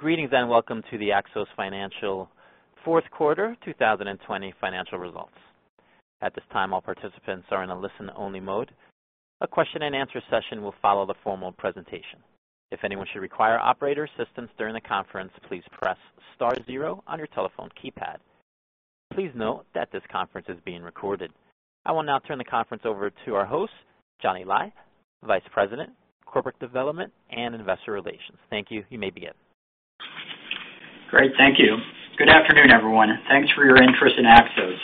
Greetings, welcome to the Axos Financial fourth quarter 2020 financial results. At this time, all participants are in a listen-only mode. A question and answer session will follow the formal presentation. If anyone should require operator assistance during the conference, please press star zero on your telephone keypad. Please note that this conference is being recorded. I will now turn the conference over to our host, Johnny Lai, Vice President, Corporate Development and Investor Relations. Thank you. You may begin. Great. Thank you. Good afternoon, everyone. Thanks for your interest in Axos.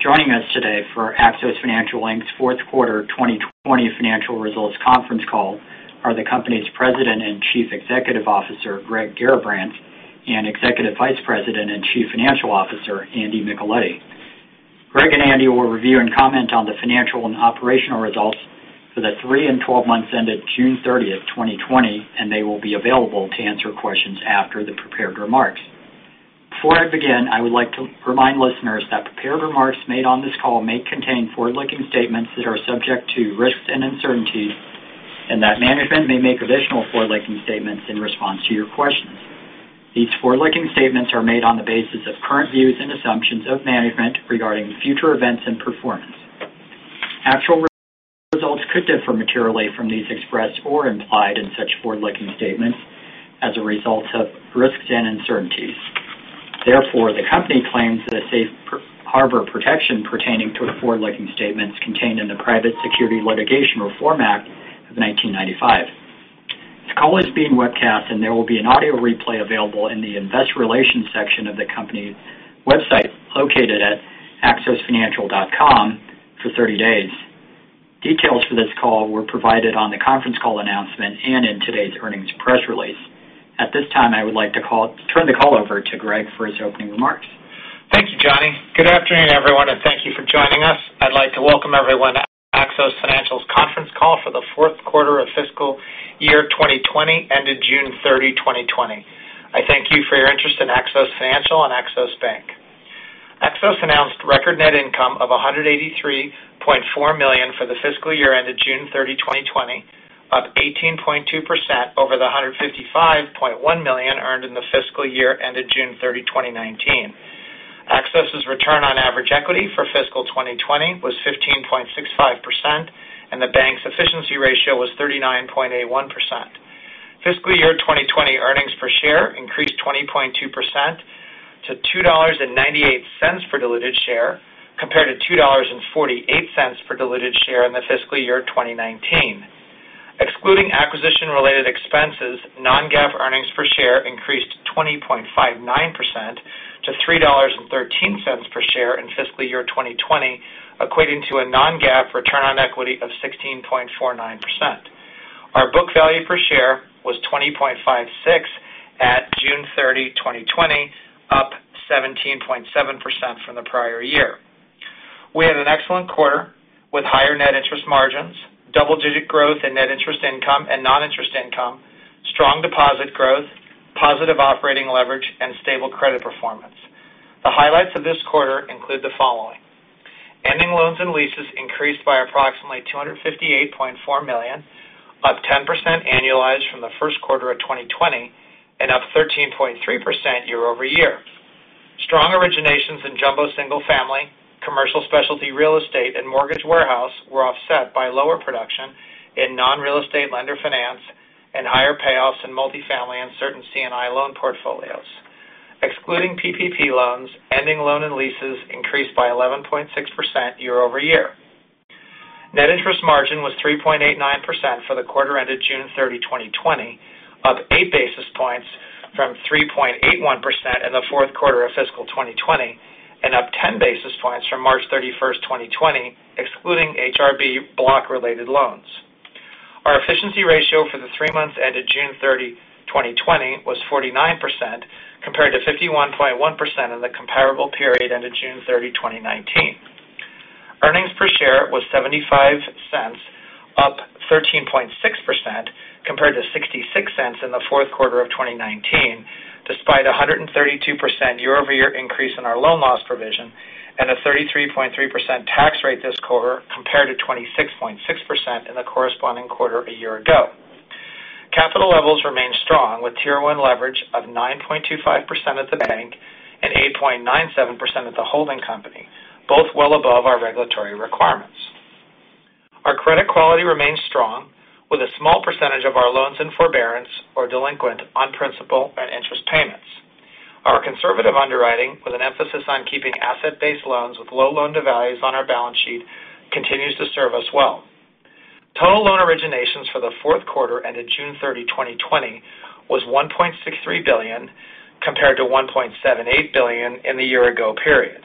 Joining us today for Axos Financial Inc.'s fourth quarter 2020 financial results conference call are the company's President and Chief Executive Officer, Greg Garrabrants, and Executive Vice President and Chief Financial Officer, Andy Micheletti. Greg and Andy will review and comment on the financial and operational results for the three and 12 months ended June 30th, 2020, and they will be available to answer questions after the prepared remarks. Before I begin, I would like to remind listeners that prepared remarks made on this call may contain forward-looking statements that are subject to risks and uncertainties, and that management may make additional forward-looking statements in response to your questions. These forward-looking statements are made on the basis of current views and assumptions of management regarding future events and performance. Actual results could differ materially from these expressed or implied in such forward-looking statements as a result of risks and uncertainties. The company claims that a safe harbor protection pertaining to the forward-looking statements contained in the Private Securities Litigation Reform Act of 1995. This call is being webcast, and there will be an audio replay available in the investor relations section of the company's website, located at axosfinancial.com for 30 days. Details for this call were provided on the conference call announcement and in today's earnings press release. At this time, I would like to turn the call over to Greg for his opening remarks. Thank you, Johnny. Good afternoon, everyone, and thank you for joining us. I'd like to welcome everyone to Axos Financial's conference call for the fourth quarter of fiscal year 2020, ended June 30, 2020. I thank you for your interest in Axos Financial and Axos Bank. Axos announced record net income of $183.4 million for the fiscal year ended June 30, 2020, up 18.2% over the $155.1 million earned in the fiscal year ended June 30, 2019. Axos's return on average equity for fiscal 2020 was 15.65%, and the bank's efficiency ratio was 39.81%. Fiscal year 2020 earnings per share increased 20.2% to $2.98 per diluted share, compared to $2.48 per diluted share in the fiscal year of 2019. Excluding acquisition-related expenses, non-GAAP earnings per share increased 20.59% to $3.13 per share in fiscal year 2020, equating to a non-GAAP return on equity of 16.49%. Our book value per share was $20.56 at June 30, 2020, up 17.7% from the prior year. We had an excellent quarter with higher net interest margins, double-digit growth in net interest income and non-interest income, strong deposit growth, positive operating leverage, and stable credit performance. The highlights of this quarter include the following. Ending loans and leases increased by approximately $258.4 million, up 10% annualized from the first quarter of 2020 and up 13.3% year-over-year. Strong originations in jumbo single family, Commercial Real Estate Specialty Lending, and mortgage warehouse were offset by lower production in non-real estate lender finance and higher payoffs in multi-family and certain C&I loan portfolios. Excluding PPP loans, ending loan and leases increased by 11.6% year-over-year. Net interest margin was 3.89% for the quarter ended June 30, 2020, up eight basis points from 3.81% in the fourth quarter of fiscal 2020 and up ten basis points from March 31st, 2020, excluding H&R Block-related loans. Our efficiency ratio for the three months ended June 30, 2020, was 49%, compared to 51.1% in the comparable period ended June 30, 2019. Earnings per share was $0.75, up 13.6%, compared to $0.66 in the fourth quarter of 2019, despite 132% year-over-year increase in our loan loss provision and a 33.3% tax rate this quarter compared to 26.6% in the corresponding quarter a year ago. Capital levels remain strong with Tier 1 leverage of 9.25% at the bank and 8.97% at the holding company, both well above our regulatory requirements. Our credit quality remains strong with a small percentage of our loans in forbearance or delinquent on principal and interest payments. Our conservative underwriting, with an emphasis on keeping asset-based loans with low loan-to-values on our balance sheet, continues to serve us well. Total loan originations for the fourth quarter ended June 30, 2020, was $1.63 billion, compared to $1.78 billion in the year ago period.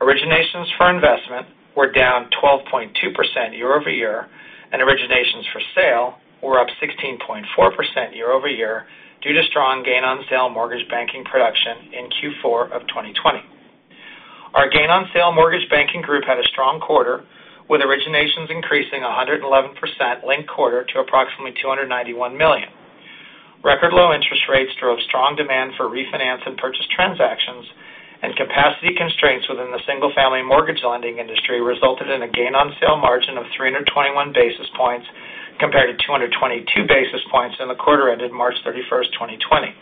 Originations for investment were down 12.2% year-over-year, and originations for sale were up 16.4% year-over-year due to strong gain on sale mortgage banking production in Q4 of 2020. Our gain on sale mortgage banking group had a strong quarter with originations increasing 111% linked quarter to approximately $291 million. Record low interest rates drove strong demand for refinance and purchase transactions. Capacity constraints within the single-family mortgage lending industry resulted in a gain on sale margin of 321 basis points compared to 222 basis points in the quarter ended March 31, 2020.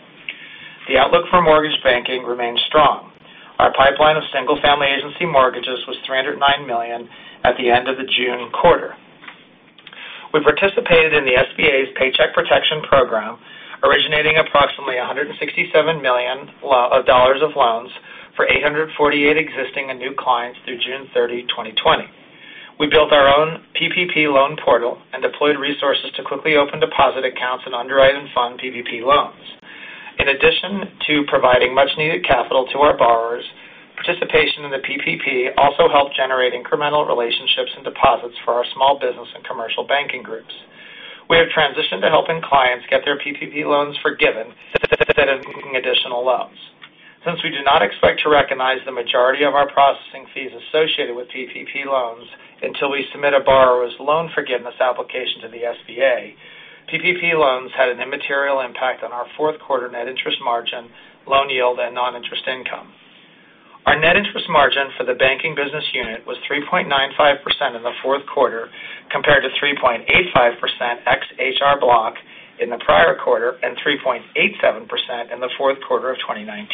The outlook for mortgage banking remains strong. Our pipeline of single-family agency mortgages was $309 million at the end of the June quarter. We participated in the SBA's Paycheck Protection Program, originating approximately $167 million of loans for 848 existing and new clients through June 30, 2020. We built our own PPP loan portal and deployed resources to quickly open deposit accounts and underwrite and fund PPP loans. In addition to providing much needed capital to our borrowers, participation in the PPP also helped generate incremental relationships and deposits for our small business and commercial banking groups. We have transitioned to helping clients get their PPP loans forgiven instead of making additional loans. Since we do not expect to recognize the majority of our processing fees associated with PPP loans until we submit a borrower's loan forgiveness application to the SBA, PPP loans had an immaterial impact on our fourth quarter net interest margin, loan yield, and non-interest income. Our net interest margin for the banking business unit was 3.95% in the fourth quarter, compared to 3.85% ex H&R Block in the prior quarter and 3.87% in the fourth quarter of 2019.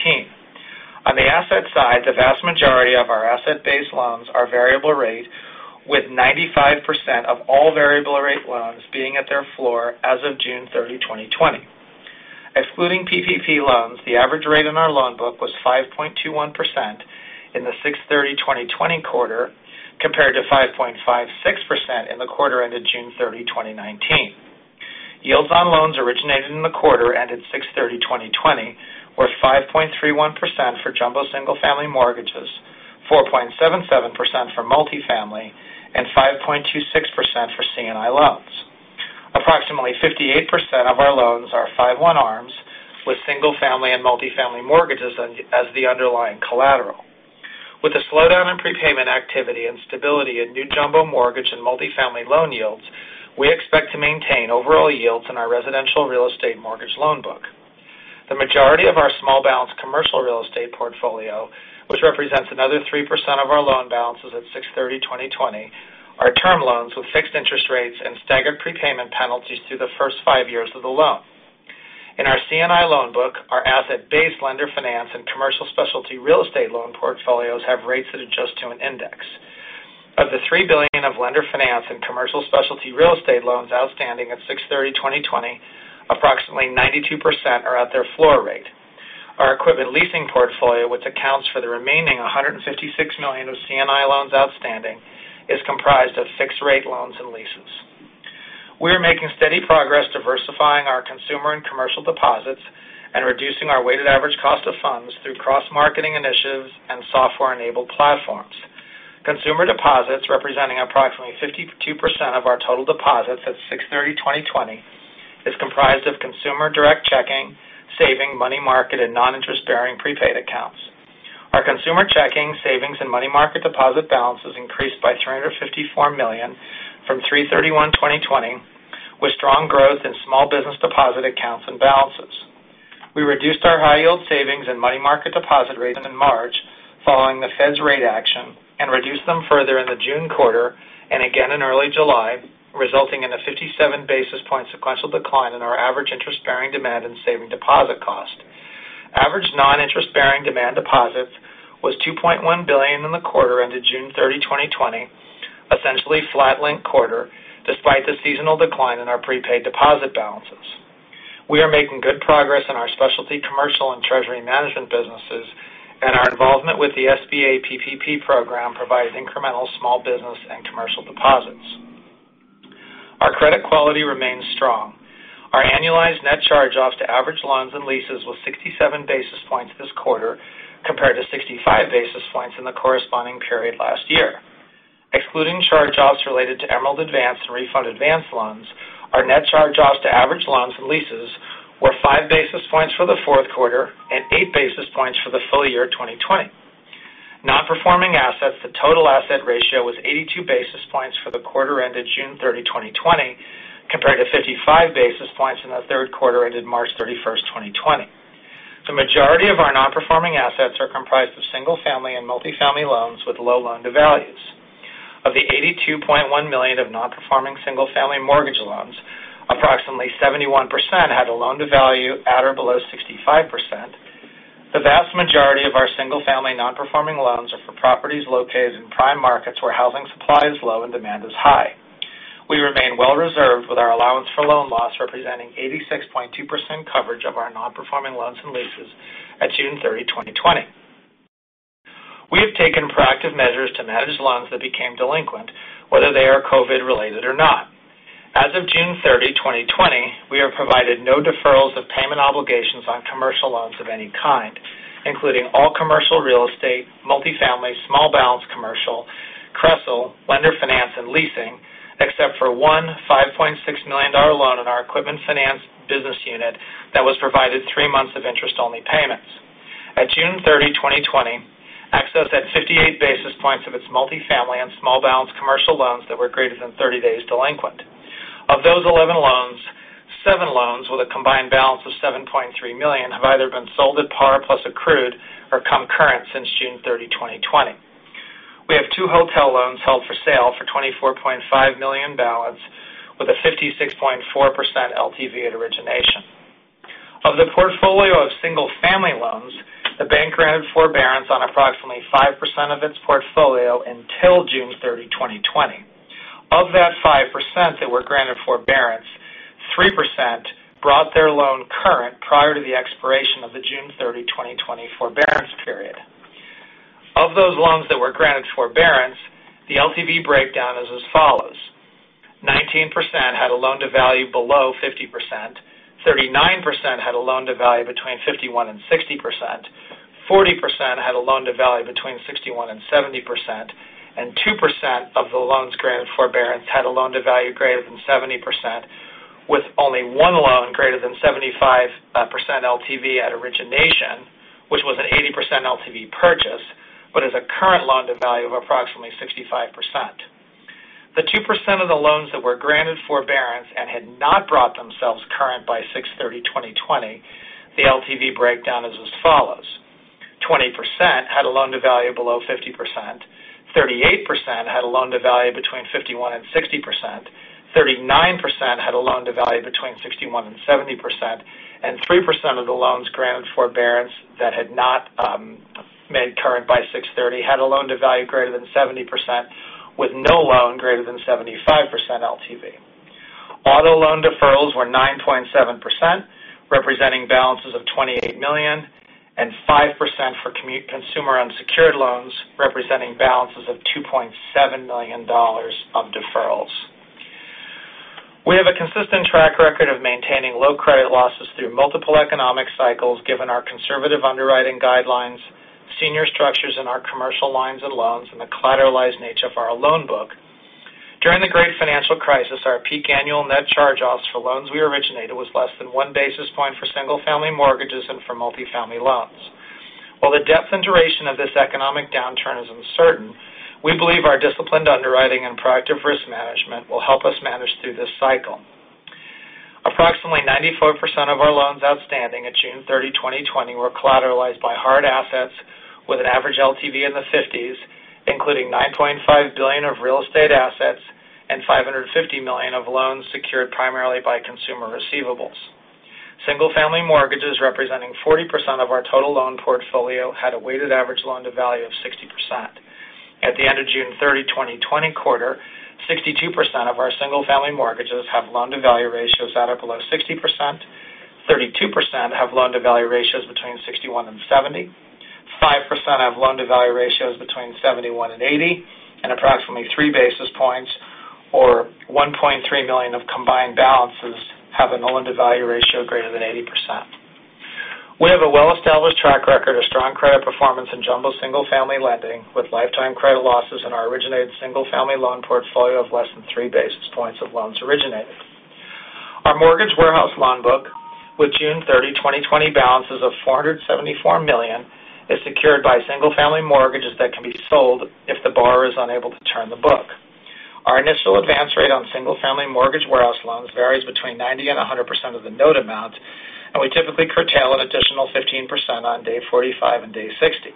On the asset side, the vast majority of our asset-based loans are variable rate, with 95% of all variable rate loans being at their floor as of June 30, 2020. Excluding PPP loans, the average rate on our loan book was 5.21% in the June 30, 2020 quarter, compared to 5.56% in the quarter ended June 30, 2019. Yields on loans originated in the quarter ended June 30, 2020 were 5.31% for jumbo single-family mortgages, 4.77% for multifamily, and 5.26% for C&I loans. Approximately 58% of our loans are 5/1 ARMs with single-family and multifamily mortgages as the underlying collateral. With the slowdown in prepayment activity and stability in new jumbo mortgage and multifamily loan yields, we expect to maintain overall yields in our residential real estate mortgage loan book. The majority of our small balance commercial real estate portfolio, which represents another 3% of our loan balances at June 30, 2020, are term loans with fixed interest rates and staggered prepayment penalties through the first five years of the loan. In our C&I loan book, our asset-based lender finance and commercial specialty real estate loan portfolios have rates that adjust to an index. Of the $3 billion of lender finance and commercial specialty real estate loans outstanding at June 30, 2020, approximately 92% are at their floor rate. Our equipment leasing portfolio, which accounts for the remaining $156 million of C&I loans outstanding, is comprised of fixed-rate loans and leases. We are making steady progress diversifying our consumer and commercial deposits and reducing our weighted average cost of funds through cross-marketing initiatives and software-enabled platforms. Consumer deposits, representing approximately 52% of our total deposits at June 30, 2020, is comprised of consumer direct checking, savings, money market, and non-interest bearing prepaid accounts. Our consumer checking, savings, and money market deposit balances increased by $354 million from June 30, 2020, with strong growth in small business deposit accounts and balances. We reduced our high yield savings and money market deposit rates in March following the Fed's rate action and reduced them further in the June quarter and again in early July, resulting in a 57 basis point sequential decline in our average interest-bearing demand and saving deposit cost. Average non-interest bearing demand deposits was $2.1 billion in the quarter ended June 30, 2020, essentially flat link quarter, despite the seasonal decline in our prepaid deposit balances. Our involvement with the SBA PPP program provides incremental small business and commercial deposits. Our credit quality remains strong. Our annualized net charge-offs to average loans and leases was 67 basis points this quarter, compared to 65 basis points in the corresponding period last year. Excluding charge-offs related to Emerald Advance and Refund Advance loans, our net charge-offs to average loans and leases were five basis points for the fourth quarter and eight basis points for the full year 2020. Non-performing assets, the total asset ratio was 82 basis points for the quarter ended June 30, 2020, compared to 55 basis points in the third quarter ended March 31st, 2020. The majority of our non-performing assets are comprised of single-family and multifamily loans with low loan-to-values. Of the $82.1 million of non-performing single-family mortgage loans, approximately 71% had a loan-to-value at or below 65%. The vast majority of our single-family non-performing loans are for properties located in prime markets where housing supply is low and demand is high. We remain well reserved with our allowance for loan loss, representing 86.2% coverage of our non-performing loans and leases at June 30, 2020. We have taken proactive measures to manage loans that became delinquent, whether they are COVID-19 related or not. As of June 30, 2020, we have provided no deferrals of payment obligations on commercial loans of any kind, including all commercial real estate, multifamily, small balance commercial, CRESL, lender finance, and leasing, except for one $5.6 million loan in our equipment finance business unit that was provided three months of interest-only payments. At June 30, 2020, Axos had 58 basis points of its multifamily and small balance commercial loans that were greater than 30 days delinquent. Of those 11 loans, a combined balance of $7.3 million have either been sold at par plus accrued or come current since June 30, 2020. We have two hotel loans held for sale for $24.5 million balance with a 56.4% LTV at origination. Of the portfolio of single-family loans, the bank granted forbearance on approximately 5% of its portfolio until June 30, 2020. Of that 5% that were granted forbearance, 3% brought their loan current prior to the expiration of the June 30, 2020, forbearance period. Of those loans that were granted forbearance, the LTV breakdown is as follows. 19% had a loan-to-value below 50%, 39% had a loan-to-value between 51% and 60%, 40% had a loan-to-value between 61% and 70%, and 2% of the loans granted forbearance had a loan-to-value greater than 70%, with only one loan greater than 75% LTV at origination, which was an 80% LTV purchase, but has a current loan-to-value of approximately 65%. The 2% of the loans that were granted forbearance and had not brought themselves current by June 30, 2020, the LTV breakdown is as follows. 20% had a loan-to-value below 50%, 38% had a loan-to-value between 51% and 60%, 39% had a loan-to-value between 61% and 70%, and 3% of the loans granted forbearance that had not made current by June 30 had a loan-to-value greater than 70%, with no loan greater than 75% LTV. Auto loan deferrals were 9.7%, representing balances of $28 million, and 5% for consumer unsecured loans, representing balances of $2.7 million of deferrals. We have a consistent track record of maintaining low credit losses through multiple economic cycles given our conservative underwriting guidelines, senior structures in our commercial lines and loans, and the collateralized nature of our loan book. During the great financial crisis, our peak annual net charge-offs for loans we originated was less than one basis point for single-family mortgages and for multifamily loans. While the depth and duration of this economic downturn is uncertain, we believe our disciplined underwriting and proactive risk management will help us manage through this cycle. Approximately 94% of our loans outstanding at June 30, 2020, were collateralized by hard assets with an average LTV in the 50s, including $9.5 billion of real estate assets and $550 million of loans secured primarily by consumer receivables. Single-family mortgages, representing 40% of our total loan portfolio, had a weighted average loan-to-value of 60%. At the end of June 30, 2020, quarter, 62% of our single-family mortgages have loan-to-value ratios at or below 60%, 32% have loan-to-value ratios between 61% and 70%, 5% have loan-to-value ratios between 71% and 80%, and approximately three basis points or $1.3 million of combined balances have a loan-to-value ratio greater than 80%. We have a well-established track record of strong credit performance in jumbo single-family lending, with lifetime credit losses in our originated single-family loan portfolio of less than three basis points of loans originated. Our mortgage warehouse loan book with June 30, 2020, balances of $474 million is secured by single-family mortgages that can be sold if the borrower is unable to turn the book. Our initial advance rate on single-family mortgage warehouse loans varies between 90% and 100% of the note amount, and we typically curtail an additional 15% on day 45 and day 60.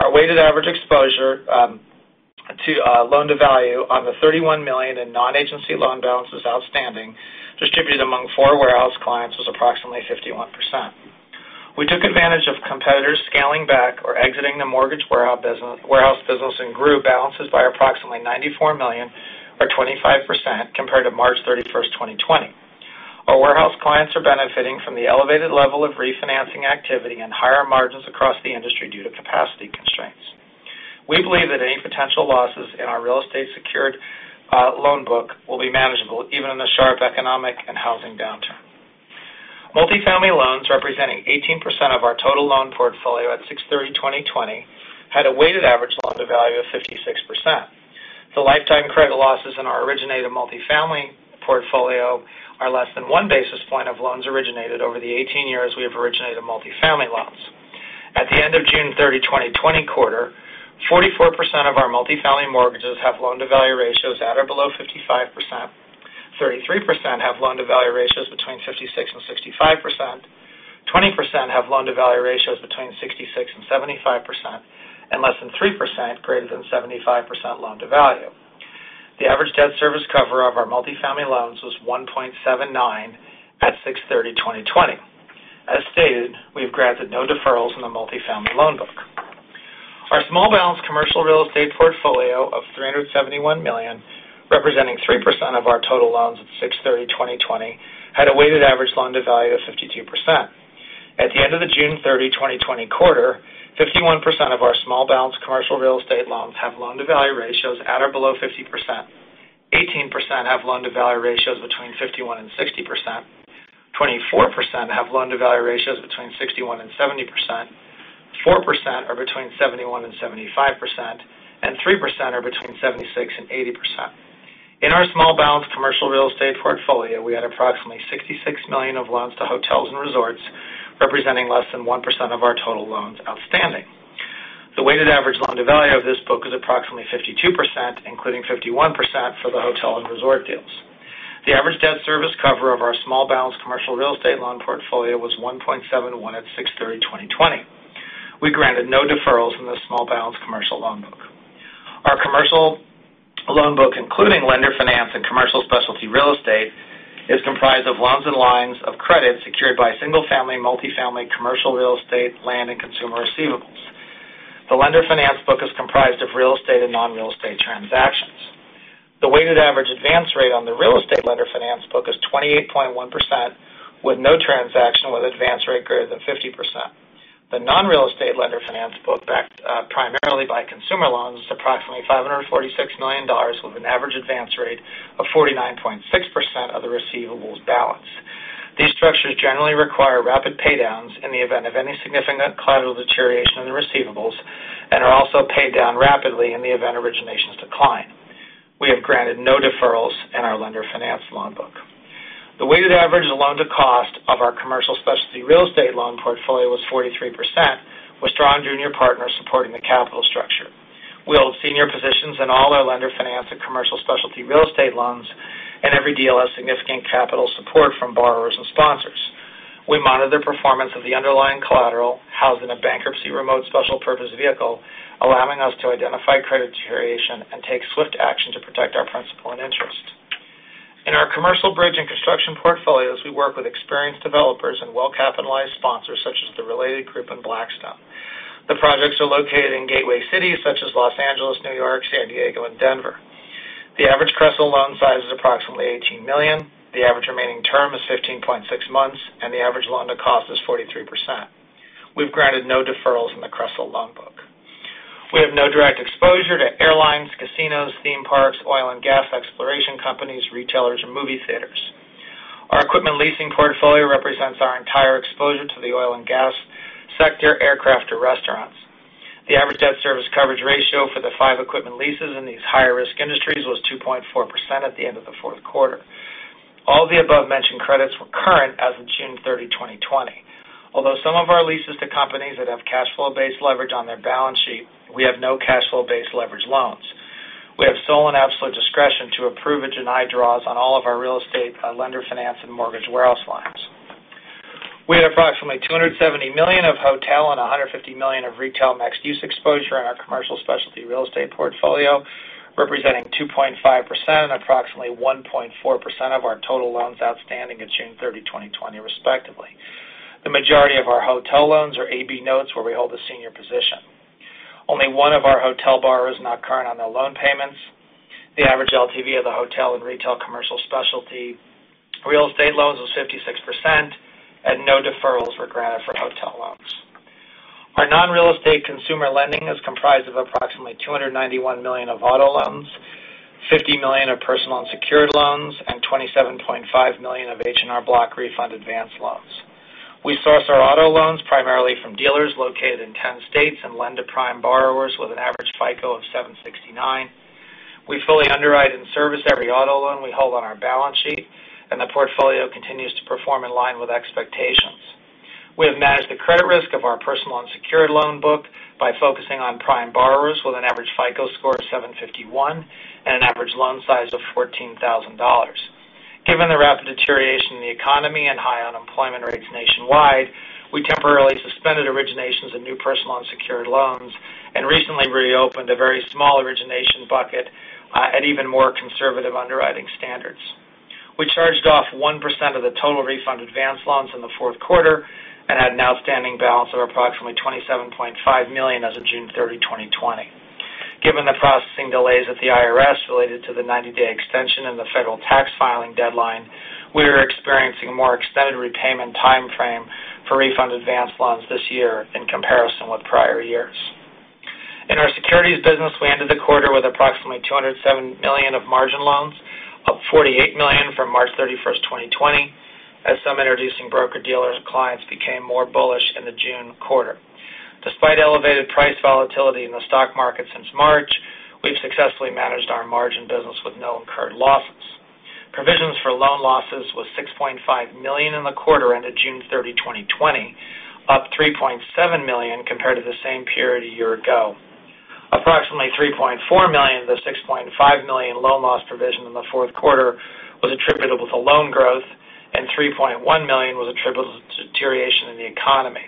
Our weighted average exposure to loan-to-value on the $31 million in non-agency loan balances outstanding distributed among four warehouse clients was approximately 51%. We took advantage of competitors scaling back or exiting the mortgage warehouse business and grew balances by approximately $94 million or 25% compared to March 31st, 2020. Our warehouse clients are benefiting from the elevated level of refinancing activity and higher margins across the industry due to capacity constraints. We believe that any potential losses in our real estate secured loan book will be manageable even in a sharp economic and housing downturn. Multifamily loans representing 18% of our total loan portfolio at June 30, 2020, had a weighted average loan-to-value of 56%. The lifetime credit losses in our originated multifamily portfolio are less than one basis point of loans originated over the 18 years we have originated multifamily loans. At the end of June 30, 2020, quarter, 44% of our multifamily mortgages have loan-to-value ratios at or below 55%, 33% have loan-to-value ratios between 56% and 65%, 20% have loan-to-value ratios between 66% and 75%, and less than 3% greater than 75% loan-to-value. The average debt service cover of our multifamily loans was 1.79 at June 30, 2020. As stated, we have granted no deferrals in the multifamily loan book. Our small balance commercial real estate portfolio of $371 million, representing 3% of our total loans at June 30, 2020, had a weighted average loan-to-value of 52%. At the end of the June 30, 2020, quarter, 51% of our small balance commercial real estate loans have loan-to-value ratios at or below 50%, 18% have loan-to-value ratios between 51% and 60%, 24% have loan-to-value ratios between 61% and 70%, 4% are between 71% and 75%, and 3% are between 76% and 80%. In our small balance commercial real estate portfolio, we had approximately $66 million of loans to hotels and resorts, representing less than 1% of our total loans outstanding. The weighted average loan-to-value of this book is approximately 52%, including 51% for the hotel and resort deals. The average debt service cover of our small balance commercial real estate loan portfolio was 1.71 at 06/30/2020. We granted no deferrals in the small balance commercial loan book. Our commercial loan book, including lender finance and commercial specialty real estate, is comprised of loans and lines of credit secured by single-family, multi-family, commercial real estate, land, and consumer receivables. The lender finance book is comprised of real estate and non-real estate transactions. The weighted average advance rate on the real estate lender finance book is 28.1%, with no transaction with advance rate greater than 50%. The non-real estate lender finance book, backed primarily by consumer loans, is approximately $546 million, with an average advance rate of 49.6% of the receivables balance. These structures generally require rapid paydowns in the event of any significant collateral deterioration in the receivables and are also paid down rapidly in the event originations decline. We have granted no deferrals in our lender finance loan book. The weighted average loan to cost of our commercial specialty real estate loan portfolio was 43%, with strong junior partners supporting the capital structure. We hold senior positions in all our lender finance and commercial specialty real estate loans, and every deal has significant capital support from borrowers and sponsors. We monitor the performance of the underlying collateral housed in a bankruptcy remote special purpose vehicle, allowing us to identify credit deterioration and take swift action to protect our principal and interest. In our commercial bridge and construction portfolios, we work with experienced developers and well-capitalized sponsors such as The Related Group and Blackstone. The projects are located in gateway cities such as Los Angeles, New York, San Diego, and Denver. The average CRESL loan size is approximately $18 million. The average remaining term is 15.6 months, and the average loan to cost is 43%. We've granted no deferrals in the CRESL loan book. We have no direct exposure to airlines, casinos, theme parks, oil and gas exploration companies, retailers, or movie theaters. Our equipment leasing portfolio represents our entire exposure to the oil and gas sector, aircraft, or restaurants. The average debt service coverage ratio for the five equipment leases in these higher risk industries was 2.4% at the end of the fourth quarter. All the above-mentioned credits were current as of June 30, 2020. Although some of our leases to companies that have cash flow-based leverage on their balance sheet, we have no cash flow-based leverage loans. We have sole and absolute discretion to approve and deny draws on all of our real estate lender finance and mortgage warehouse lines. We had approximately $270 million of hotel and $150 million of retail mixed use exposure in our commercial specialty real estate portfolio, representing 2.5% and approximately 1.4% of our total loans outstanding at June 30, 2020, respectively. The majority of our hotel loans are AB notes where we hold a senior position. Only one of our hotel borrowers is not current on their loan payments. The average LTV of the hotel and retail commercial specialty real estate loans was 56%, and no deferrals were granted for hotel loans. Our non-real estate consumer lending is comprised of approximately $291 million of auto loans, $50 million of personal unsecured loans, and $27.5 million of H&R Block Refund Advance loans. We source our auto loans primarily from dealers located in 10 states and lend to prime borrowers with an average FICO of 769. We fully underwrite and service every auto loan we hold on our balance sheet, and the portfolio continues to perform in line with expectations. We have managed the credit risk of our personal unsecured loan book by focusing on prime borrowers with an average FICO score of 751 and an average loan size of $14,000. Given the rapid deterioration in the economy and high unemployment rates nationwide, we temporarily suspended originations and new personal unsecured loans and recently reopened a very small origination bucket at even more conservative underwriting standards. We charged off 1% of the total Refund Advance loans in the fourth quarter and had an outstanding balance of approximately $27.5 million as of June 30, 2020. Given the processing delays at the IRS related to the 90-day extension and the federal tax filing deadline, we are experiencing a more extended repayment time frame for Refund Advance loans this year in comparison with prior years. In our securities business, we ended the quarter with approximately $207 million of margin loans, up $48 million from March 31st, 2020, as some introducing broker-dealer clients became more bullish in the June quarter. Despite elevated price volatility in the stock market since March, we've successfully managed our margin business with no incurred losses. Provisions for loan losses was $6.5 million in the quarter ended June 30, 2020, up $3.7 million compared to the same period a year ago. Approximately $3.4 million of the $6.5 million loan loss provision in the fourth quarter was attributable to loan growth, and $3.1 million was attributable to deterioration in the economy.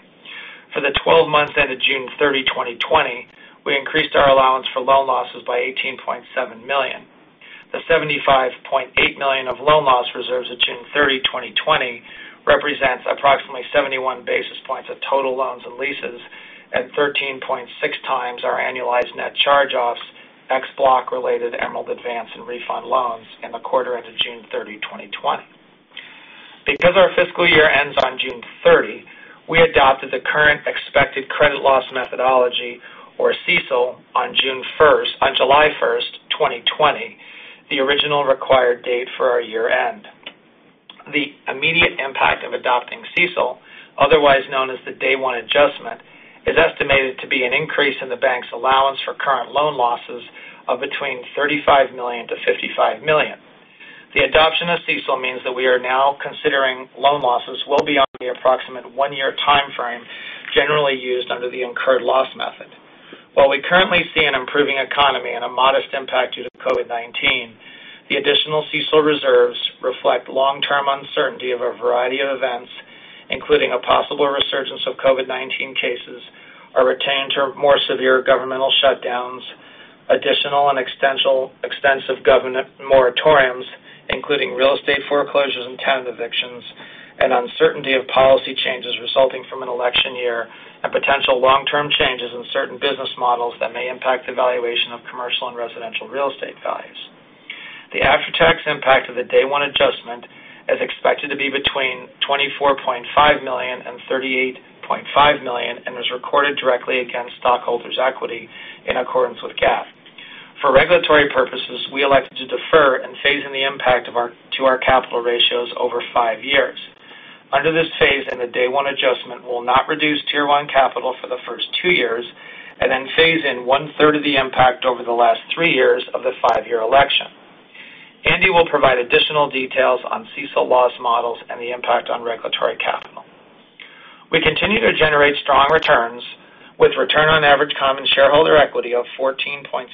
For the 12 months ended June 30, 2020, we increased our allowance for loan losses by $18.7 million. The $75.8 million of loan loss reserves at June 30, 2020, represents approximately 71 basis points of total loans and leases at 13.6 times our annualized net charge-offs, ex H&R Block related Emerald Advance and Refund Advance loans in the quarter ended June 30, 2020. Because our fiscal year ends on June 30, we adopted the current expected credit loss methodology or CECL on July 1st, 2020, the original required date for our year-end. The immediate impact of adopting CECL, otherwise known as the day one adjustment, is estimated to be an increase in the bank's allowance for current loan losses of between $35 million-$55 million. The adoption of CECL means that we are now considering loan losses well beyond the approximate one-year timeframe generally used under the incurred loss method. While we currently see an improving economy and a modest impact due to COVID-19, the additional CECL reserves reflect long-term uncertainty of a variety of events, including a possible resurgence of COVID-19 cases, a return to more severe governmental shutdowns, additional and extensive government moratoriums, including real estate foreclosures and tenant evictions, and uncertainty of policy changes resulting from an election year, and potential long-term changes in certain business models that may impact the valuation of commercial and residential real estate values. The after-tax impact of the day one adjustment is expected to be between $24.5 million and $38.5 million and was recorded directly against stockholders' equity in accordance with GAAP. For regulatory purposes, we elected to defer and phase in the impact to our capital ratios over 5 years. Under this phase, the day one adjustment will not reduce Tier 1 capital for the first two years, then phase in one-third of the impact over the last three years of the 5-year election. Andy will provide additional details on CECL loss models and the impact on regulatory capital. We continue to generate strong returns with return on average common shareholder equity of 14.71%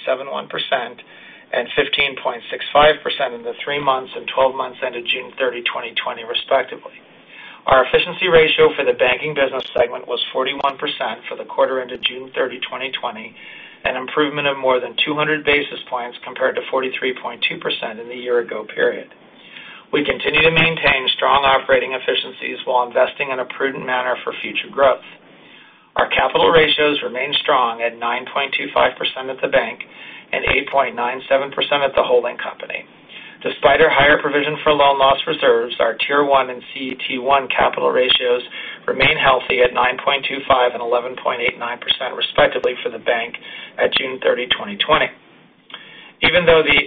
and 15.65% in the three months and 12 months ended June 30, 2020, respectively. Our efficiency ratio for the banking business segment was 41% for the quarter ended June 30, 2020, an improvement of more than 200 basis points compared to 43.2% in the year ago period. We continue to maintain strong operating efficiencies while investing in a prudent manner for future growth. Our capital ratios remain strong at 9.25% at the bank and 8.97% at the holding company. Despite our higher provision for loan loss reserves, our Tier 1 and CET1 capital ratios remain healthy at 9.25% and 11.89%, respectively, for the bank at June 30, 2020. Even though the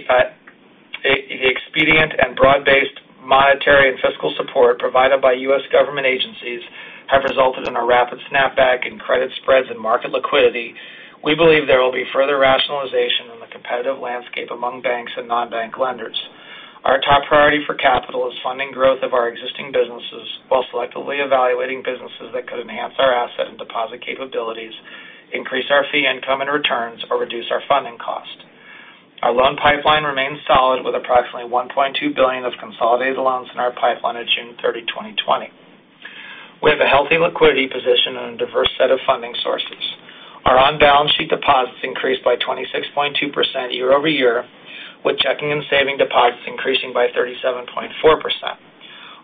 expedient and broad-based monetary and fiscal support provided by U.S. government agencies have resulted in a rapid snapback in credit spreads and market liquidity, we believe there will be further rationalization in the competitive landscape among banks and non-bank lenders. Our top priority for capital is funding growth of our existing businesses while selectively evaluating businesses that could enhance our asset and deposit capabilities, increase our fee income and returns, or reduce our funding cost. Our loan pipeline remains solid with approximately $1.2 billion of consolidated loans in our pipeline at June 30, 2020. We have a healthy liquidity position and a diverse set of funding sources. Our on-balance sheet deposits increased by 26.2% year-over-year, with checking and saving deposits increasing by 37.4%.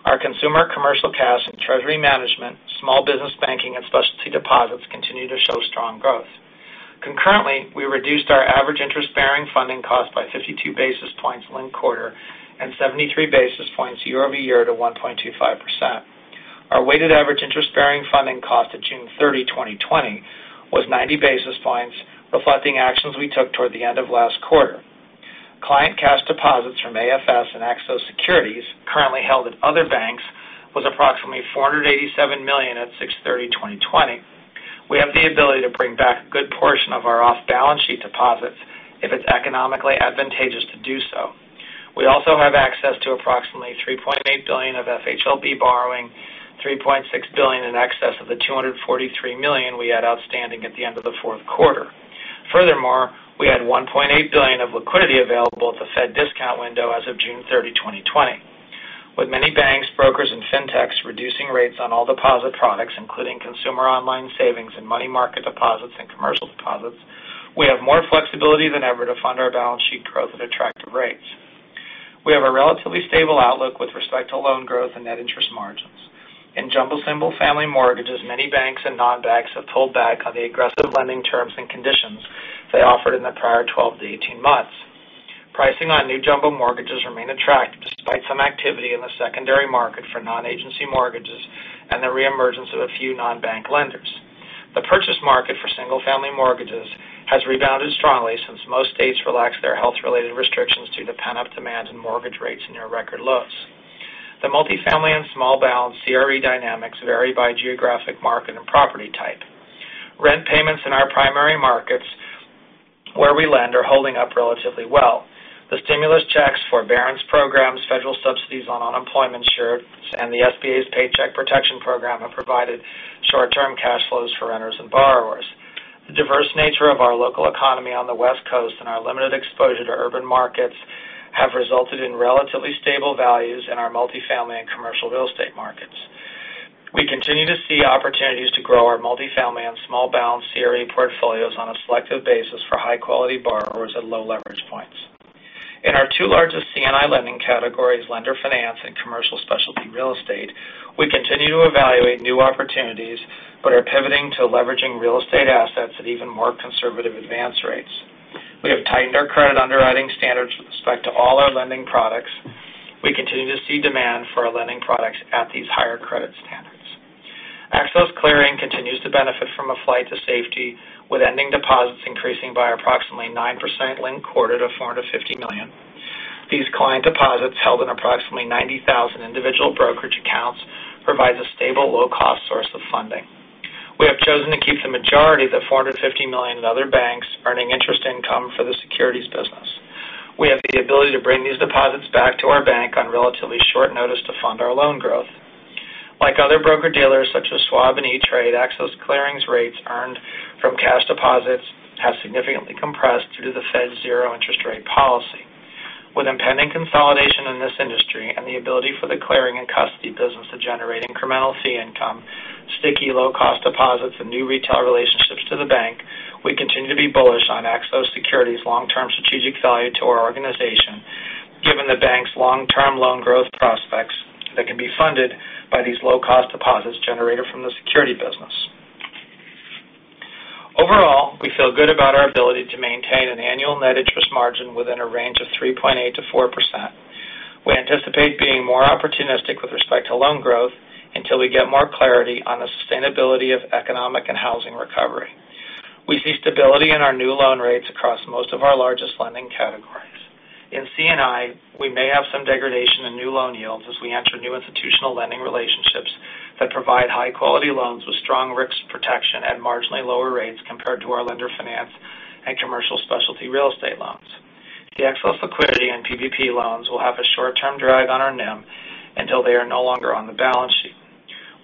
Our consumer commercial cash and treasury management, small business banking, and specialty deposits continue to show strong growth. Concurrently, we reduced our average interest-bearing funding cost by 52 basis points linked quarter and 73 basis points year-over-year to 1.25%. Our weighted average interest-bearing funding cost at June 30, 2020, was 90 basis points, reflecting actions we took toward the end of last quarter. Client cash deposits from AFS and Axos Securities, currently held at other banks, was approximately $487 million at June 30, 2020. We have the ability to bring back a good portion of our off-balance sheet deposits if it's economically advantageous to do so. We also have access to approximately $3.8 billion of FHLB borrowing, $3.6 billion in excess of the $243 million we had outstanding at the end of the fourth quarter. Furthermore, we had $1.8 billion of liquidity available at the Fed discount window as of June 30, 2020. With many banks, brokers, and fintechs reducing rates on all deposit products, including consumer online savings and money market deposits and commercial deposits, we have more flexibility than ever to fund our balance sheet growth at attractive rates. We have a relatively stable outlook with respect to loan growth and net interest margins. In jumbo single-family mortgages, many banks and non-banks have pulled back on the aggressive lending terms and conditions they offered in the prior 12 to 18 months. Pricing on new jumbo mortgages remain attractive despite some activity in the secondary market for non-agency mortgages and the reemergence of a few non-bank lenders. The purchase market for single-family mortgages has rebounded strongly since most states relaxed their health-related restrictions due to pent-up demand and mortgage rates near record lows. The multifamily and small balance CRE dynamics vary by geographic market and property type. Rent payments in our primary markets where we lend are holding up relatively well. The stimulus checks, forbearance programs, federal subsidies on unemployment insurance, and the SBA's Paycheck Protection Program have provided short-term cash flows for renters and borrowers. The diverse nature of our local economy on the West Coast and our limited exposure to urban markets have resulted in relatively stable values in our multifamily and commercial real estate markets. We continue to see opportunities to grow our multifamily and small balance CRE portfolios on a selective basis for high-quality borrowers at low leverage points. In our two largest C&I lending categories, lender finance and commercial specialty real estate, we continue to evaluate new opportunities but are pivoting to leveraging real estate assets at even more conservative advance rates. We have tightened our credit underwriting standards with respect to all our lending products. We continue to see demand for our lending products at these higher credit standards. Axos Clearing continues to benefit from a flight to safety, with ending deposits increasing by approximately 9% linked quarter to $450 million. These client deposits, held in approximately 90,000 individual brokerage accounts, provides a stable low-cost. I've chosen to keep the majority of the $450 million in other banks earning interest income for the securities business. We have the ability to bring these deposits back to our bank on relatively short notice to fund our loan growth. Like other broker-dealers such as Schwab and E*TRADE, Axos Clearing's rates earned from cash deposits have significantly compressed due to the Fed's zero interest rate policy. With impending consolidation in this industry and the ability for the clearing and custody business to generate incremental fee income, sticky low-cost deposits, and new retail relationships to the bank, we continue to be bullish on Axos Securities' long-term strategic value to our organization, given the bank's long-term loan growth prospects that can be funded by these low-cost deposits generated from the securities business. Overall, we feel good about our ability to maintain an annual net interest margin within a range of 3.8%-4%. We anticipate being more opportunistic with respect to loan growth until we get more clarity on the sustainability of economic and housing recovery. We see stability in our new loan rates across most of our largest lending categories. In C&I, we may have some degradation in new loan yields as we enter new institutional lending relationships that provide high-quality loans with strong risk protection at marginally lower rates compared to our lender finance and commercial specialty real estate loans. The excess liquidity in PVP loans will have a short-term drag on our NIM until they are no longer on the balance sheet.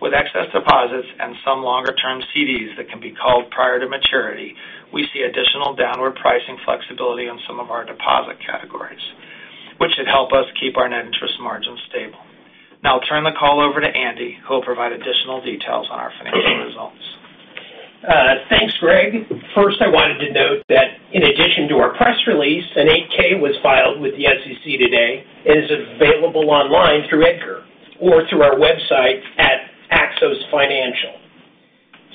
With excess deposits and some longer-term CDs that can be called prior to maturity, we see additional downward pricing flexibility on some of our deposit categories, which should help us keep our net interest margin stable. I'll turn the call over to Andy, who will provide additional details on our financial results. Thanks, Greg. First, I wanted to note that in addition to our press release, an 8-K was filed with the SEC today and is available online through EDGAR or through our website at axosfinancial.com.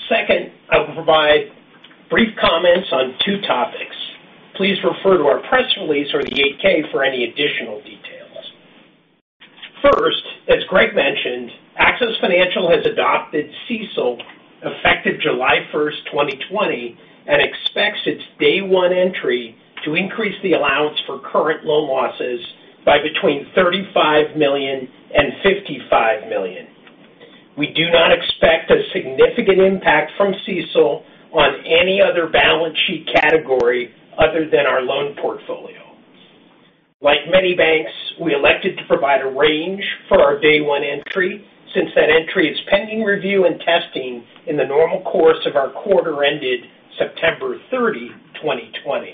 Second, I will provide brief comments on two topics. Please refer to our press release or the 8-K for any additional details. First, as Greg mentioned, Axos Financial has adopted CECL effective July 1st, 2020, and expects its day one entry to increase the allowance for current loan losses by between $35 million and $55 million. We do not expect a significant impact from CECL on any other balance sheet category other than our loan portfolio. Like many banks, we elected to provide a range for our day one entry, since that entry is pending review and testing in the normal course of our quarter ended September 30, 2020.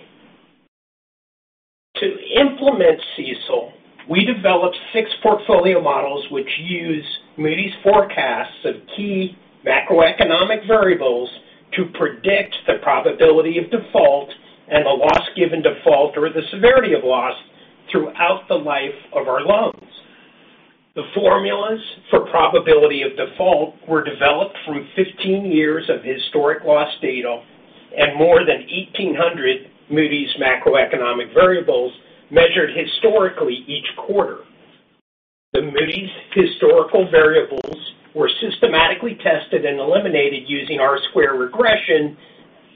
To implement CECL, we developed six portfolio models which use Moody's forecasts of key macroeconomic variables to predict the probability of default and the loss given default or the severity of loss throughout the life of our loans. The formulas for probability of default were developed from 15 years of historic loss data and more than 1,800 Moody's macroeconomic variables measured historically each quarter. The Moody's historical variables were systematically tested and eliminated using R-squared regression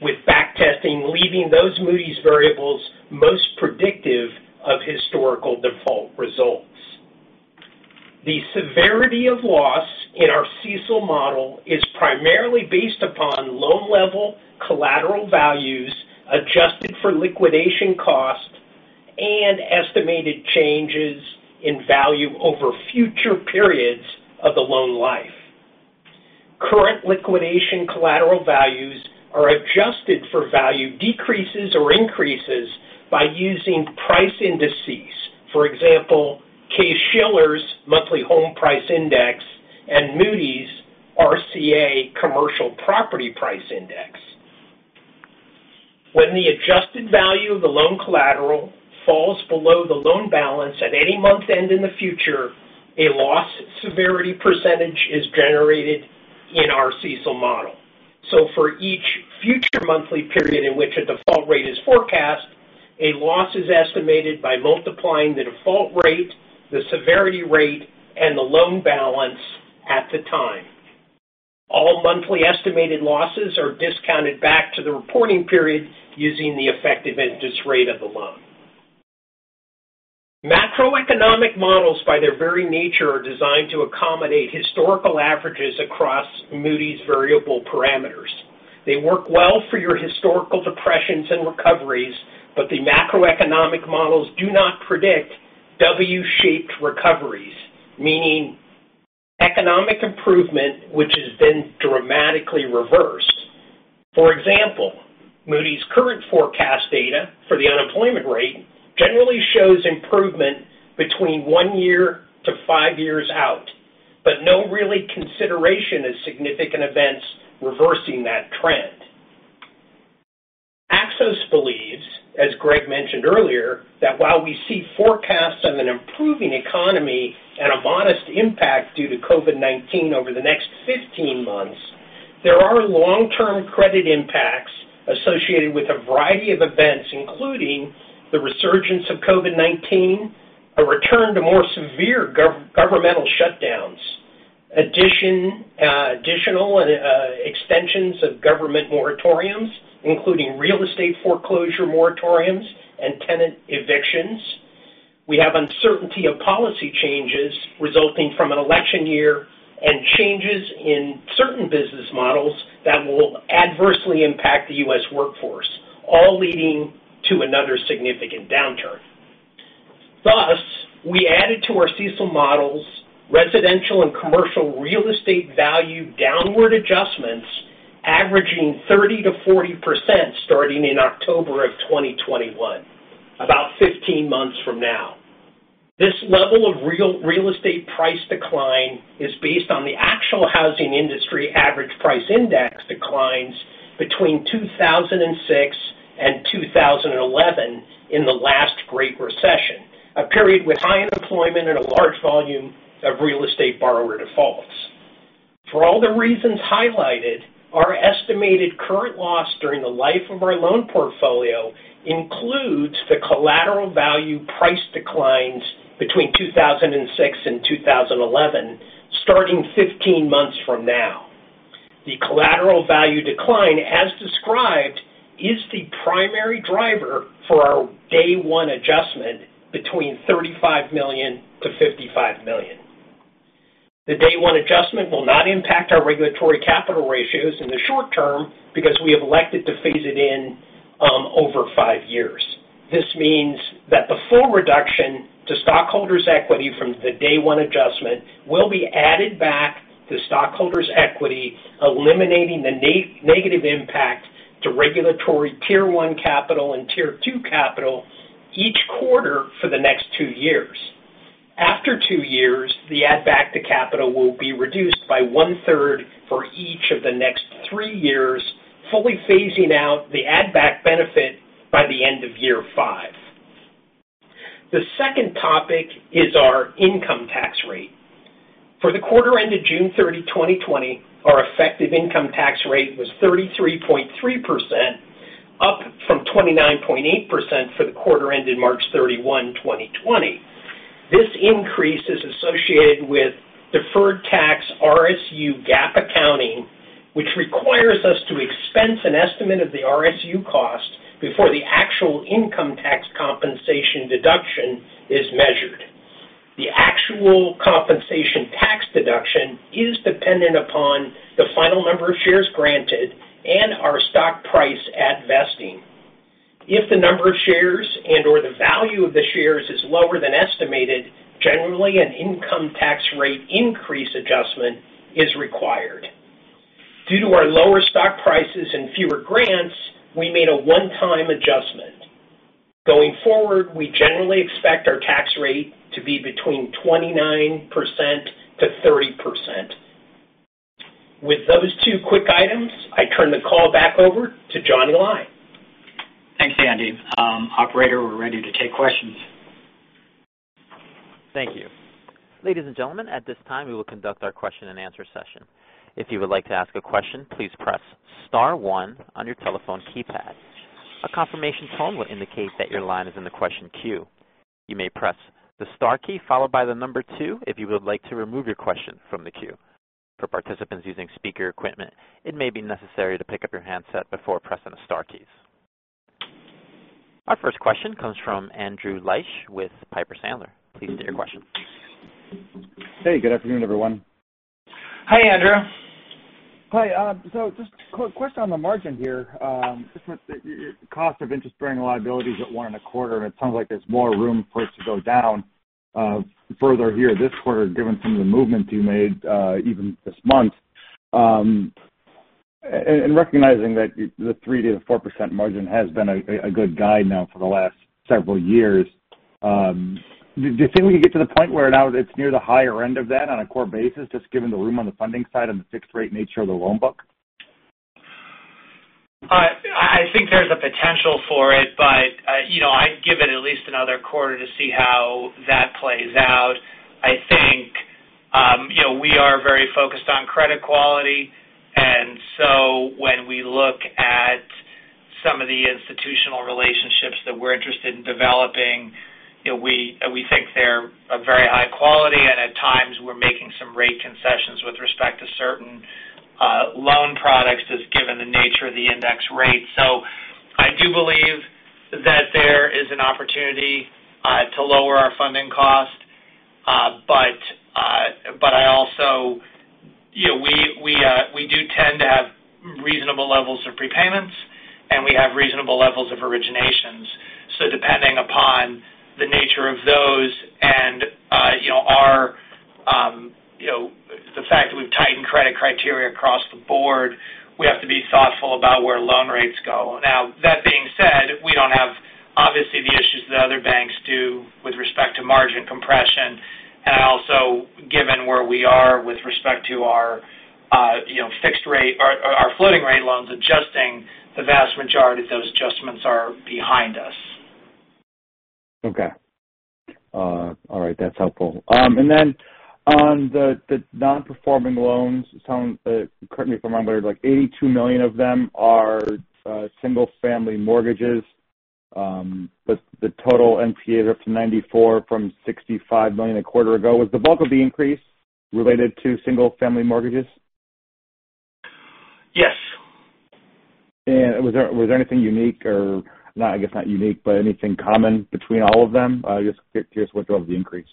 with back testing, leaving those Moody's variables most predictive of historical default results. The severity of loss in our CECL model is primarily based upon loan-level collateral values adjusted for liquidation costs and estimated changes in value over future periods of the loan life. Current liquidation collateral values are adjusted for value decreases or increases by using price indices. For example, Case-Shiller's monthly home price index and Moody's RCA Commercial Property Price Index. When the adjusted value of the loan collateral falls below the loan balance at any month-end in the future, a loss severity percentage is generated in our CECL model. For each future monthly period in which a default rate is forecast, a loss is estimated by multiplying the default rate, the severity rate, and the loan balance at the time. All monthly estimated losses are discounted back to the reporting period using the effective interest rate of the loan. Macroeconomic models, by their very nature, are designed to accommodate historical averages across Moody's variable parameters. They work well for your historical depressions and recoveries, but the macroeconomic models do not predict W-shaped recoveries, meaning economic improvement which has been dramatically reversed. For example, Moody's current forecast data for the unemployment rate generally shows improvement between one year to five years out, but no really consideration of significant events reversing that trend. Axos believes, as Greg mentioned earlier, that while we see forecasts of an improving economy and a modest impact due to COVID-19 over the next 15 months, there are long-term credit impacts associated with a variety of events, including the resurgence of COVID-19, a return to more severe governmental shutdowns, additional extensions of government moratoriums, including real estate foreclosure moratoriums and tenant evictions. We have uncertainty of policy changes resulting from an election year and changes in certain business models that will adversely impact the U.S. workforce, all leading to another significant downturn. Thus, we added to our CECL models residential and commercial real estate value downward adjustments averaging 30%-40% starting in October of 2021, about 15 months from now. This level of real estate price decline is based on the actual housing industry average price index declines between 2006 and 2011 in the last great recession, a period with high unemployment and a large volume of real estate borrower defaults. For all the reasons highlighted, our estimated current loss during the life of our loan portfolio includes the collateral value price declines between 2006 and 2011, starting 15 months from now. The collateral value decline, as described, is the primary driver for our day one adjustment between $35 million-$55 million. The day one adjustment will not impact our regulatory capital ratios in the short term because we have elected to phase it in over five years. This means that the full reduction to stockholders' equity from the day one adjustment will be added back to stockholders' equity, eliminating the negative impact to regulatory Tier 1 capital and Tier 2 capital each quarter for the next two years. After two years, the add back to capital will be reduced by one-third for each of the next three years, fully phasing out the add back benefit by the end of year five. The second topic is our income tax rate. For the quarter ended June 30, 2020, our effective income tax rate was 33.3%, up from 29.8% for the quarter ended March 31, 2020. This increase is associated with deferred tax RSU GAAP accounting, which requires us to expense an estimate of the RSU cost before the actual income tax compensation deduction is measured. The actual compensation tax deduction is dependent upon the final number of shares granted and our stock price at vesting. If the number of shares and/or the value of the shares is lower than estimated, generally an income tax rate increase adjustment is required. Due to our lower stock prices and fewer grants, we made a one-time adjustment. Going forward, we generally expect our tax rate to be between 29%-30%. With those two quick items, I turn the call back over to Johnny Lai. Thanks, Andy. Operator, we're ready to take questions. Thank you. Ladies and gentlemen, at this time, we will conduct our question and answer session. If you would like to ask a question, please press *1 on your telephone keypad. A confirmation tone will indicate that your line is in the question queue. You may press the * key followed by the number 2 if you would like to remove your question from the queue. For participants using speaker equipment, it may be necessary to pick up your handset before pressing the * keys. Our first question comes from Andrew Liesch with Piper Sandler. Please state your question. Hey, good afternoon, everyone. Hi, Andrew. Hi. Just quick question on the margin here. Just with the cost of interest-bearing liability is at one and a quarter, and it sounds like there's more room for it to go down further here this quarter, given some of the movements you made even this month. Recognizing that the 3%-4% margin has been a good guide now for the last several years, do you think we can get to the point where now it's near the higher end of that on a core basis, just given the room on the funding side and the fixed rate nature of the loan book? I think there's a potential for it, but I'd give it at least another quarter to see how that plays out. I think we are very focused on credit quality, and so when we look at some of the institutional relationships that we're interested in developing, we think they're a very high quality, and at times we're making some rate concessions with respect to certain loan products, just given the nature of the index rate. I do believe that there is an opportunity to lower our funding cost. We do tend to have reasonable levels of prepayments, and we have reasonable levels of originations. Depending upon the nature of those and the fact that we've tightened credit criteria across the board, we have to be thoughtful about where loan rates go. That being said, we don't have, obviously, the issues that other banks do with respect to margin compression. Given where we are with respect to our floating rate loans adjusting, the vast majority of those adjustments are behind us. Okay. All right. That's helpful. On the non-performing loans, correct me if I'm wrong, $82 million of them are single-family mortgages. The total NPA is up to $94 million from $65 million a quarter ago. Was the bulk of the increase related to single-family mortgages? Was there anything unique or, I guess not unique, but anything common between all of them? Just curious what drove the increase.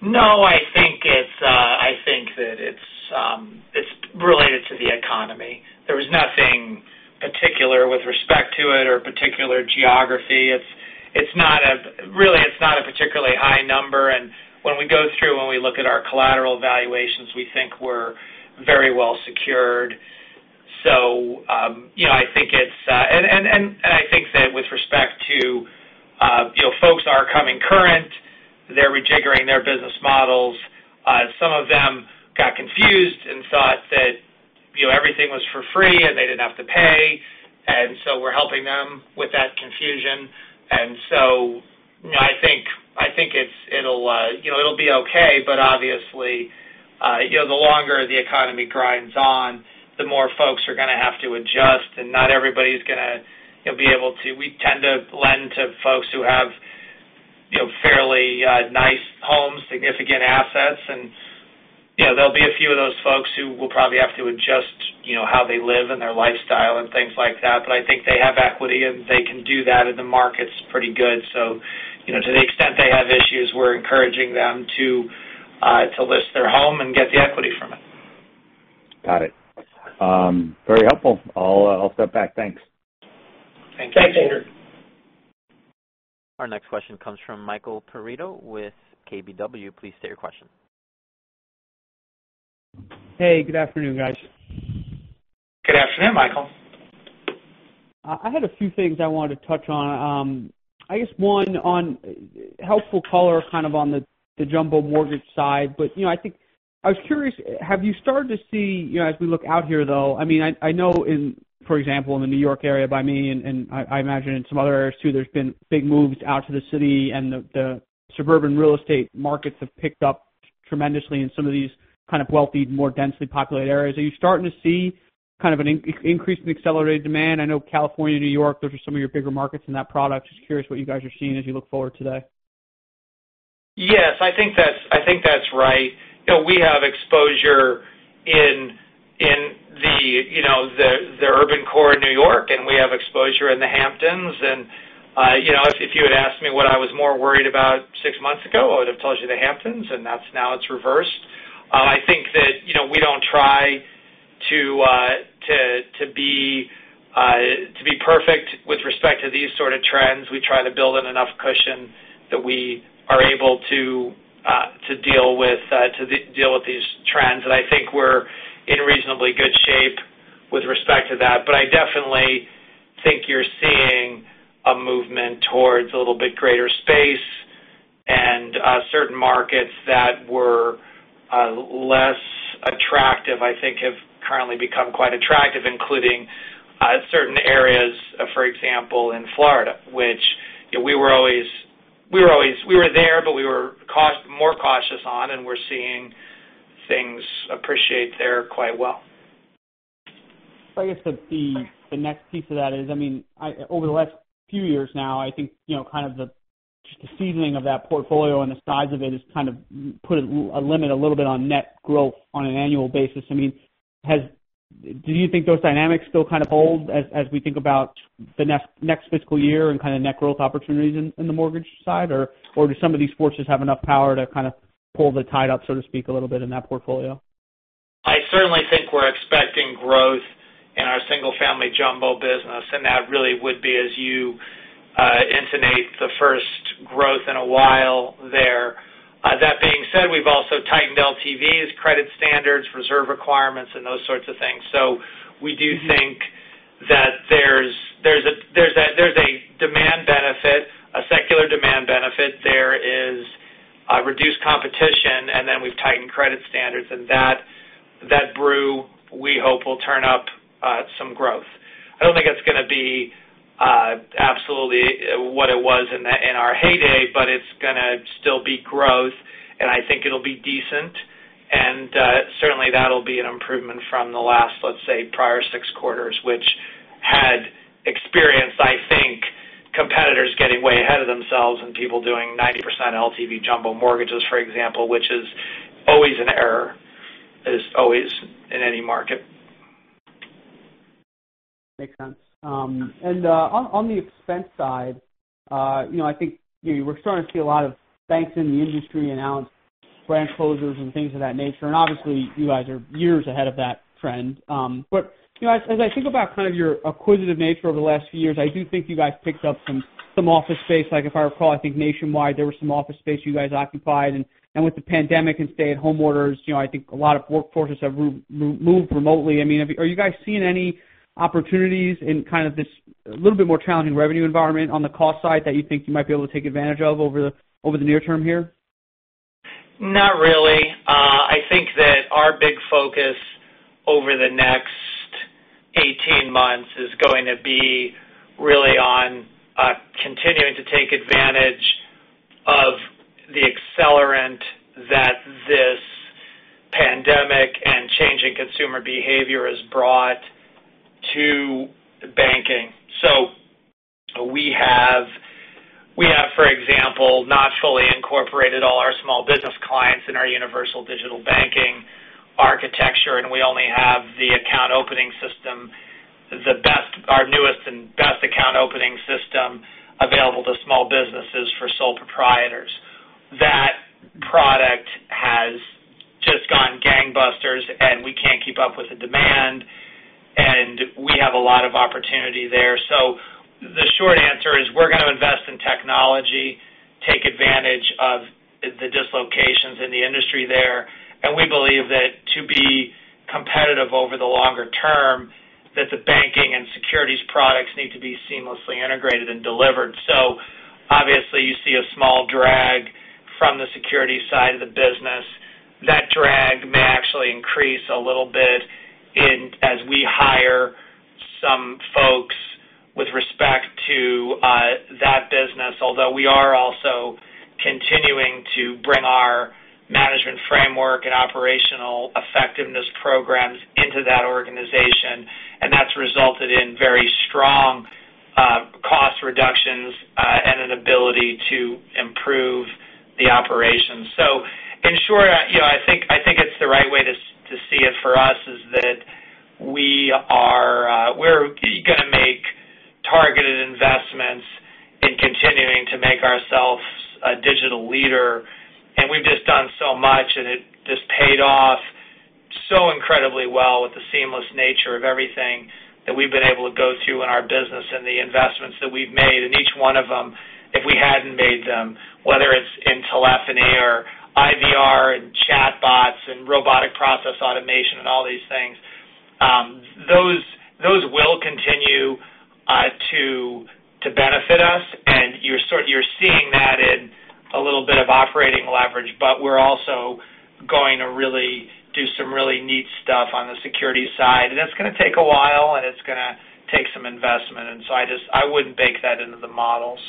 No, I think that it's related to the economy. There was nothing particular with respect to it or particular geography. It's not a particularly high number, and when we go through and we look at our collateral valuations, we think we're very well secured. I think that with respect to folks are coming current, they're rejiggering their business models. Some of them got confused and thought that everything was for free and they didn't have to pay. We're helping them with that confusion. I think it'll be okay, but obviously the longer the economy grinds on, the more folks are going to have to adjust, and not everybody's going to be able to. We tend to lend to folks who have fairly nice homes, significant assets, and there'll be a few of those folks who will probably have to adjust how they live and their lifestyle and things like that. I think they have equity and they can do that, and the market's pretty good. To the extent they have issues, we're encouraging them to list their home and get the equity from it. Got it. Very helpful. I'll step back. Thanks. Thank you. Our next question comes from Michael Perito with KBW. Please state your question. Hey, good afternoon, guys. Good afternoon, Michael. I had a few things I wanted to touch on. I guess one on helpful color kind of on the jumbo mortgage side. I was curious, have you started to see as we look out here, though, I know in, for example, in the New York area by me and I imagine in some other areas too, there's been big moves out to the city and the suburban real estate markets have picked up tremendously in some of these kind of wealthy, more densely populated areas. Are you starting to see kind of an increase in accelerated demand? I know California, New York, those are some of your bigger markets in that product. Just curious what you guys are seeing as you look forward today? Yes, I think that's right. We have exposure in the urban core of New York, and we have exposure in the Hamptons. If you had asked me what I was more worried about six months ago, I would've told you the Hamptons, and now it's reversed. I think that we don't try to be perfect with respect to these sort of trends. We try to build in enough cushion that we are able to deal with these trends. I think we're in reasonably good shape with respect to that. I definitely think you're seeing a movement towards a little bit greater space and certain markets that were less attractive, I think, have currently become quite attractive, including certain areas, for example, in Florida. We were there, but we were more cautious on, and we're seeing things appreciate there quite well. I guess the next piece of that is over the last few years now, I think kind of just the seasoning of that portfolio and the size of it has kind of put a limit a little bit on net growth on an annual basis. Do you think those dynamics still kind of hold as we think about the next fiscal year and kind of net growth opportunities in the mortgage side? Or do some of these forces have enough power to kind of pull the tide up, so to speak, a little bit in that portfolio? I certainly think we're expecting growth in our single-family jumbo business, that really would be, as you intimate, the first growth in a while there. That being said, we've also tightened LTVs, credit standards, reserve requirements, and those sorts of things. We do think that there's a demand benefit, a secular demand benefit. There is reduced competition, we've tightened credit standards, that brew, we hope, will turn up some growth. I don't think it's going to be absolutely what it was in our heyday, it's going to still be growth, I think it'll be decent. Certainly that'll be an improvement from the last, let's say, prior six quarters, which had experienced, I think, competitors getting way ahead of themselves and people doing 90% LTV jumbo mortgages, for example, which is always an error. It is always in any market. Makes sense. On the expense side, I think we're starting to see a lot of banks in the industry announce branch closures and things of that nature. Obviously, you guys are years ahead of that trend. As I think about kind of your acquisitive nature over the last few years, I do think you guys picked up some office space. If I recall, I think nationwide, there was some office space you guys occupied. With the pandemic and stay-at-home orders, I think a lot of workforces have moved remotely. Are you guys seeing any opportunities in kind of this little bit more challenging revenue environment on the cost side that you think you might be able to take advantage of over the near term here? Not really. I think that our big focus over the next 18 months is going to be really on continuing to take advantage of the accelerant that this pandemic and changing consumer behavior has brought to. We have, for example, not fully incorporated all our small business clients in our Universal Digital Bank architecture, and we only have the account opening system, our newest and best account opening system available to small businesses for sole proprietors. That product has just gone gangbusters, and we can't keep up with the demand, and we have a lot of opportunity there. The short answer is we're going to invest in technology, take advantage of the dislocations in the industry there, and we believe that to be competitive over the longer term, that the banking and securities products need to be seamlessly integrated and delivered. Obviously, you see a small drag from the security side of the business. That drag may actually increase a little bit as we hire some folks with respect to that business, although we are also continuing to bring our management framework and operational effectiveness programs into that organization, and that's resulted in very strong cost reductions and an ability to improve the operations. In short, I think it's the right way to see it for us is that we're going to make targeted investments in continuing to make ourselves a digital leader. We've just done so much, and it just paid off so incredibly well with the seamless nature of everything that we've been able to go through in our business and the investments that we've made in each one of them. If we hadn't made them, whether it's in telephony or IVR and chatbots and robotic process automation and all these things, those will continue to benefit us. You're seeing that in a little bit of operating leverage. We're also going to really do some really neat stuff on the security side, and it's going to take a while, and it's going to take some investment, and so I wouldn't bake that into the models.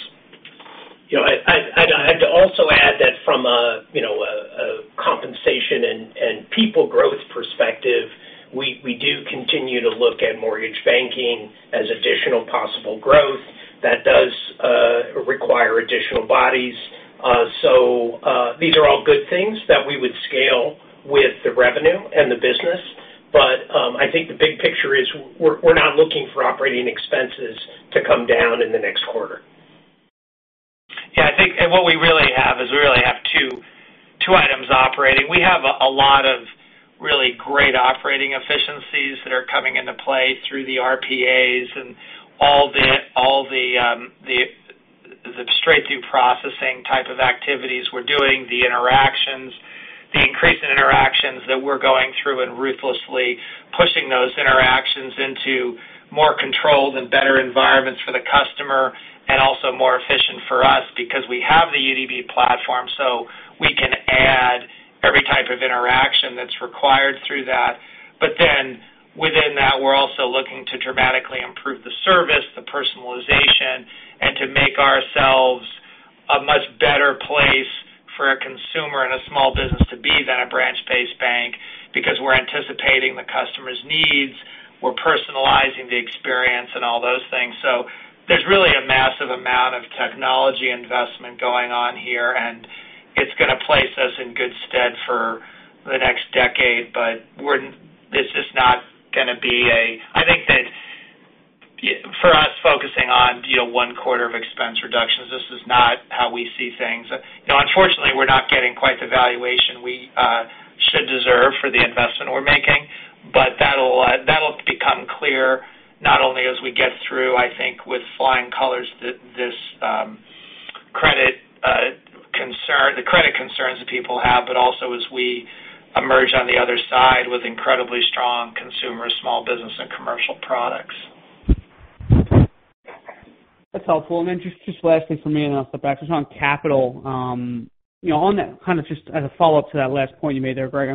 I'd also add that from a compensation and people growth perspective, we do continue to look at mortgage banking as additional possible growth that does require additional bodies. These are all good things that we would scale with the revenue and the business. I think the big picture is we're not looking for operating expenses to come down in the next quarter. Yeah, I think what we really have is we really have two items operating. We have a lot of really great operating efficiencies that are coming into play through the RPAs and all the straight-through processing type of activities we're doing, the interactions, the increase in interactions that we're going through and ruthlessly pushing those interactions into more controlled and better environments for the customer and also more efficient for us because we have the UDB platform. We can add every type of interaction that's required through that. Within that, we're also looking to dramatically improve the service, the personalization, and to make ourselves a much better place for a consumer and a small business to be than a branch-based bank because we're anticipating the customer's needs. We're personalizing the experience and all those things. There's really a massive amount of technology investment going on here, and it's going to place us in good stead for the next decade. It's just not going to be I think that for us, focusing on one quarter of expense reductions, this is not how we see things. Unfortunately, we're not getting quite the valuation we should deserve for the investment we're making. That'll become clear not only as we get through, I think, with flying colors, the credit concerns that people have, but also as we emerge on the other side with incredibly strong consumer, small business, and commercial products. That's helpful. Then just lastly from me, and I'll step back, just on capital. On that, kind of just as a follow-up to that last point you made there, Greg,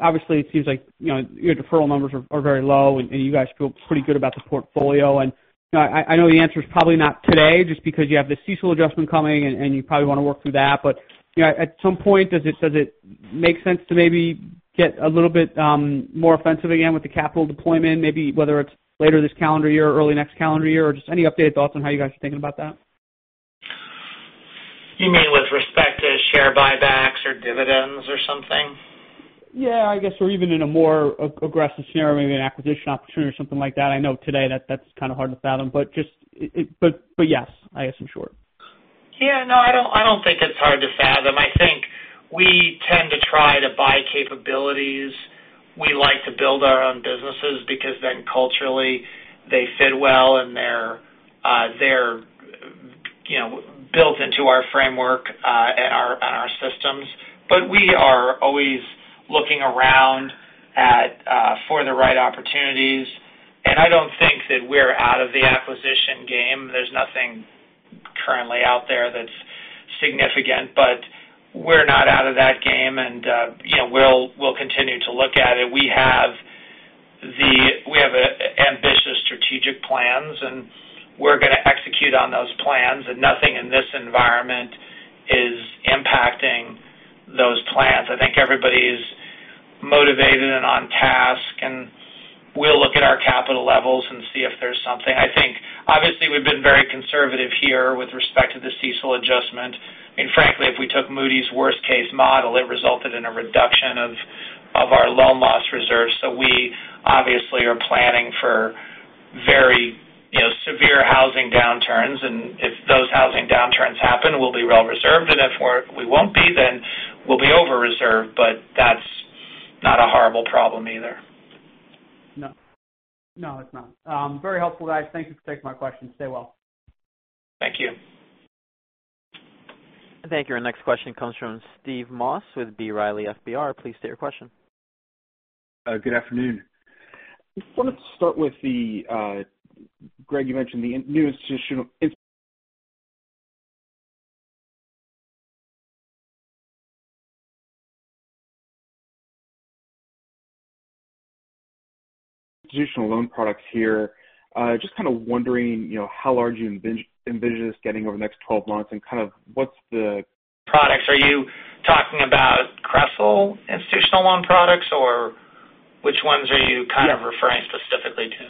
obviously, it seems like your deferral numbers are very low, and you guys feel pretty good about the portfolio. I know the answer is probably not today, just because you have the CECL adjustment coming, and you probably want to work through that. At some point, does it make sense to maybe get a little bit more offensive again with the capital deployment, maybe whether it's later this calendar year or early next calendar year, or just any updated thoughts on how you guys are thinking about that? You mean with respect to share buybacks or dividends or something? Yeah, I guess, or even in a more aggressive scenario, maybe an acquisition opportunity or something like that. I know today that's kind of hard to fathom. Yes, I guess I'm short. Yeah. No, I don't think it's hard to fathom. I think we tend to try to buy capabilities. We like to build our own businesses because then culturally they fit well, and they're built into our framework and our systems. We are always looking around for the right opportunities, and I don't think that we're out of the acquisition game. There's nothing currently out there that's significant, but we're not out of that game, and we'll continue to look at it. We have ambitious strategic plans, and we're going to execute on those plans, and nothing in this environment is impacting those plans. I think everybody's motivated levels and see if there's something. I think, obviously, we've been very conservative here with respect to the CECL adjustment. Frankly, if we took Moody's worst-case model, it resulted in a reduction of our loan loss reserves. We obviously are planning for very severe housing downturns, if those housing downturns happen, we'll be well reserved. If we won't be, then we'll be over-reserved, but that's not a horrible problem either. No. No, it's not. Very helpful, guys. Thank you for taking my questions. Stay well. Thank you. Thank you. Our next question comes from Steve Moss with B. Riley FBR. Please state your question. Good afternoon. I just wanted to start with Greg, you mentioned the new institutional loan products here. Just kind of wondering, how large you envision this getting over the next 12 months and kind of what's the? Products. Are you talking about CRESL institutional loan products, or which ones are you kind of referring specifically to?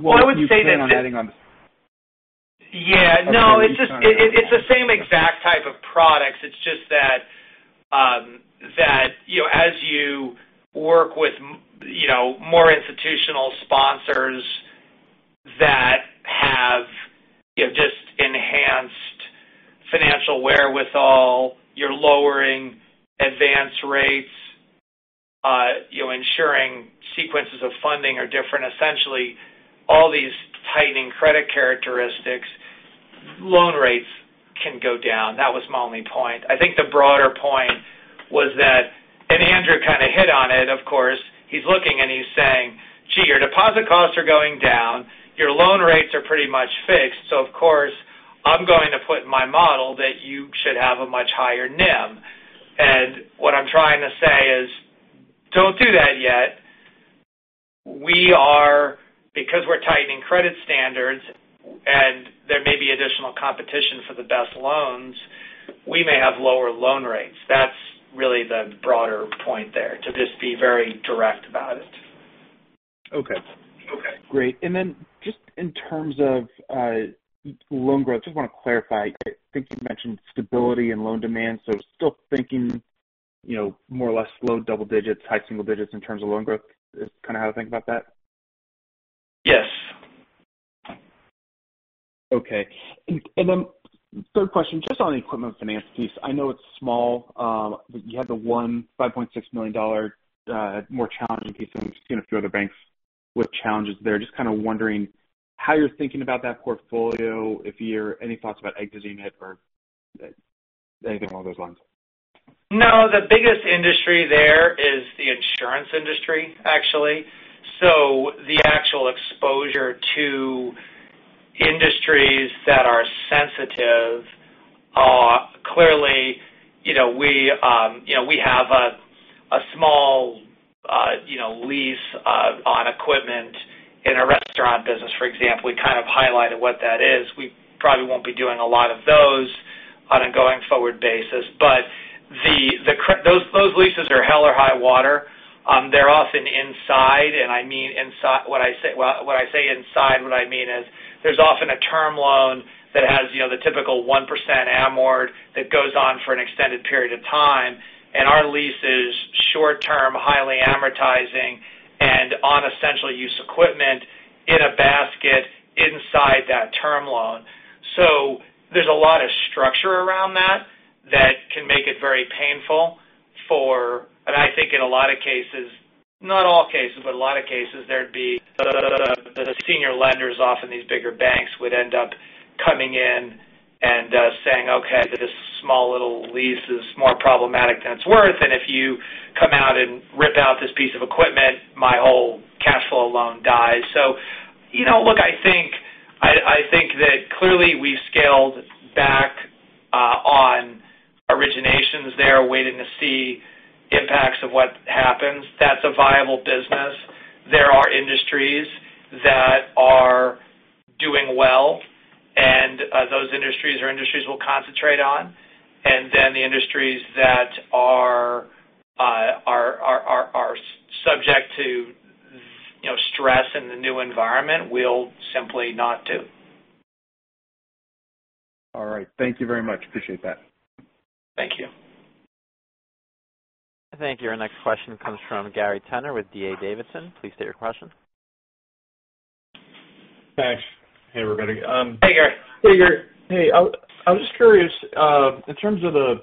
What do you plan on adding on? Yeah, no. It's the same exact type of products. It's just that as you work with more institutional sponsors that have just enhanced financial wherewithal, you're lowering advance rates, ensuring sequences of funding are different. Essentially, all these tightening credit characteristics, loan rates can go down. That was my only point. I think the broader point was that, Andrew Liesch kind of hit on it, of course. He's looking, and he's saying, "Gee, your deposit costs are going down. Your loan rates are pretty much fixed. Of course, I'm going to put in my model that you should have a much higher NIM." What I'm trying to say is, don't do that yet. Because we're tightening credit standards and there may be additional competition for the best loans, we may have lower loan rates. That's really the broader point there, to just be very direct about it. Okay. Great. Just in terms of loan growth, just want to clarify. I think you mentioned stability and loan demand. Still thinking more or less low double digits, high single digits in terms of loan growth, is kind of how to think about that? Yes. Okay. Third question, just on the equipment finance piece. I know it's small. You had the one $5.6 million more challenging piece than we've seen a few other banks with challenges there. Just kind of wondering how you're thinking about that portfolio, any thoughts about exiting it or anything along those lines? No. The biggest industry there is the insurance industry, actually. The actual exposure to industries that are sensitive, clearly, we have a small lease on equipment in a restaurant business, for example. We kind of highlighted what that is. We probably won't be doing a lot of those on a going-forward basis. Those leases are hell or high water. They're often inside, and when I say inside, what I mean is there's often a term loan that has the typical 1% amort that goes on for an extended period of time. Our lease is short-term, highly amortizing, and on essential use equipment in a basket inside that term loan. There's a lot of structure around that that can make it very painful. I think in a lot of cases, not all cases, but a lot of cases, there'd be the senior lenders, often these bigger banks would end up coming in and saying, "Okay, this small little lease is more problematic than it's worth. If you come out and rip out this piece of equipment, my whole cash flow loan dies." Look, I think that clearly we've scaled back on originations there waiting to see impacts of what happens. That's a viable business. There are industries that are doing well, and those industries are industries we'll concentrate on. Then the industries that are subject to stress in the new environment, we'll simply not do. All right. Thank you very much. Appreciate that. Thank you. Thank you. Our next question comes from Gary Tenner with D.A. Davidson. Please state your question. Thanks. Hey, everybody. Hey, Gary. Hey, Greg. Hey, I was just curious, in terms of the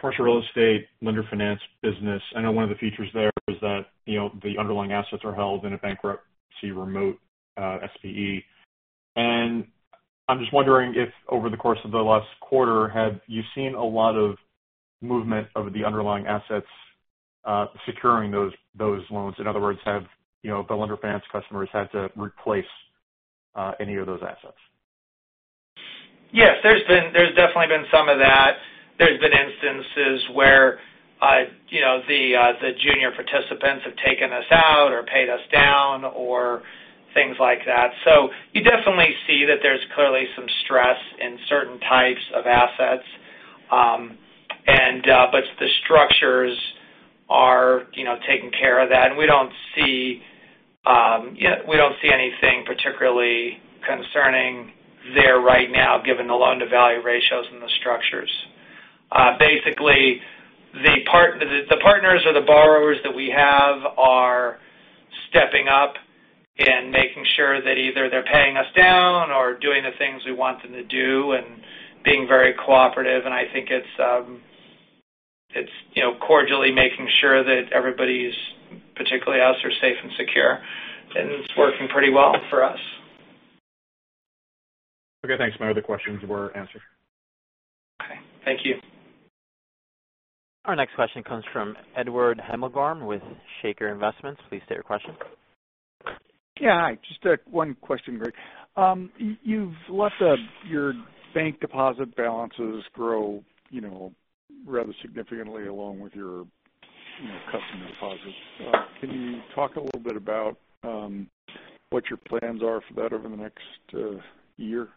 commercial real estate lender finance business, I know one of the features there is that the underlying assets are held in a bankruptcy remote SPE. I'm just wondering if over the course of the last quarter, have you seen a lot of movement of the underlying assets securing those loans? In other words, have the lender finance customers had to replace any of those assets? Yes. There's definitely been some of that. There's been instances where the junior participants have taken us out or paid us down or things like that. You definitely see that there's clearly some stress in certain types of assets are taking care of that, and we don't see anything particularly concerning there right now, given the loan-to-value ratios and the structures. Basically, the partners or the borrowers that we have are stepping up and making sure that either they're paying us down or doing the things we want them to do and being very cooperative. I think it's cordially making sure that everybody's, particularly us, are safe and secure. It's working pretty well for us. Okay, thanks. My other questions were answered. Okay. Thank you. Our next question comes from Edward Hemmelgarn with Shaker Investments. Please state your question. Yeah. Hi, just one question, Greg. You've let your bank deposit balances grow rather significantly along with your customer deposits. Can you talk a little bit about what your plans are for that over the next year?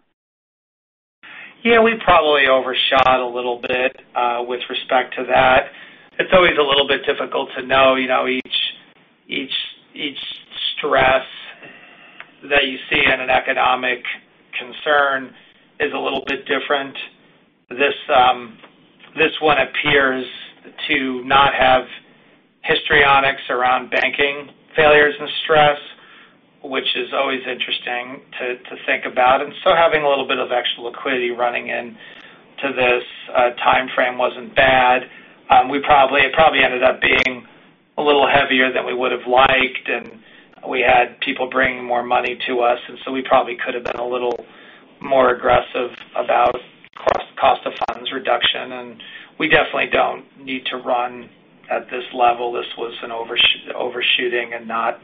Yeah. We probably overshot a little bit with respect to that. It's always a little bit difficult to know each stress that you see in an economic concern is a little bit different. This one appears to not have histrionics around banking failures and stress, which is always interesting to think about. Having a little bit of extra liquidity running into this timeframe wasn't bad. It probably ended up being a little heavier than we would've liked, and we had people bringing more money to us, and so we probably could've been a little more aggressive about cost of funds reduction. We definitely don't need to run at this level. This was an overshooting and not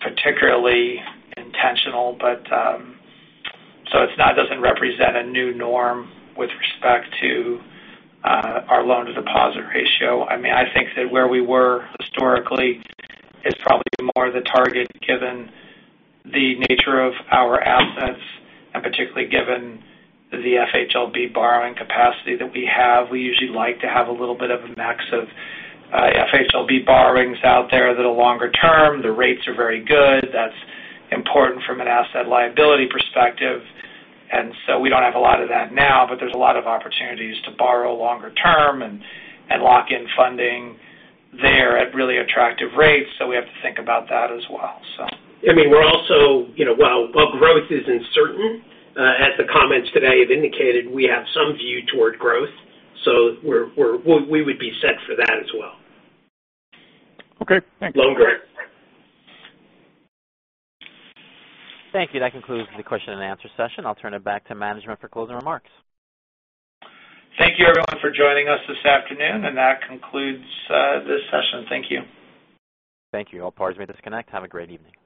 particularly intentional. It doesn't represent a new norm with respect to our loan-to-deposit ratio. I think that where we were historically is probably more the target given the nature of our assets and particularly given the FHLB borrowing capacity that we have. We usually like to have a little bit of a max of FHLB borrowings out there that are longer term. The rates are very good. That's important from an asset liability perspective. We don't have a lot of that now, but there's a lot of opportunities to borrow longer term and lock in funding there at really attractive rates. We have to think about that as well. While growth is uncertain, as the comments today have indicated, we have some view toward growth, so we would be set for that as well. Okay, thanks. Longer. Thank you. That concludes the question and answer session. I'll turn it back to management for closing remarks. Thank you, everyone, for joining us this afternoon, and that concludes this session. Thank you. Thank you. All parties may disconnect. Have a great evening.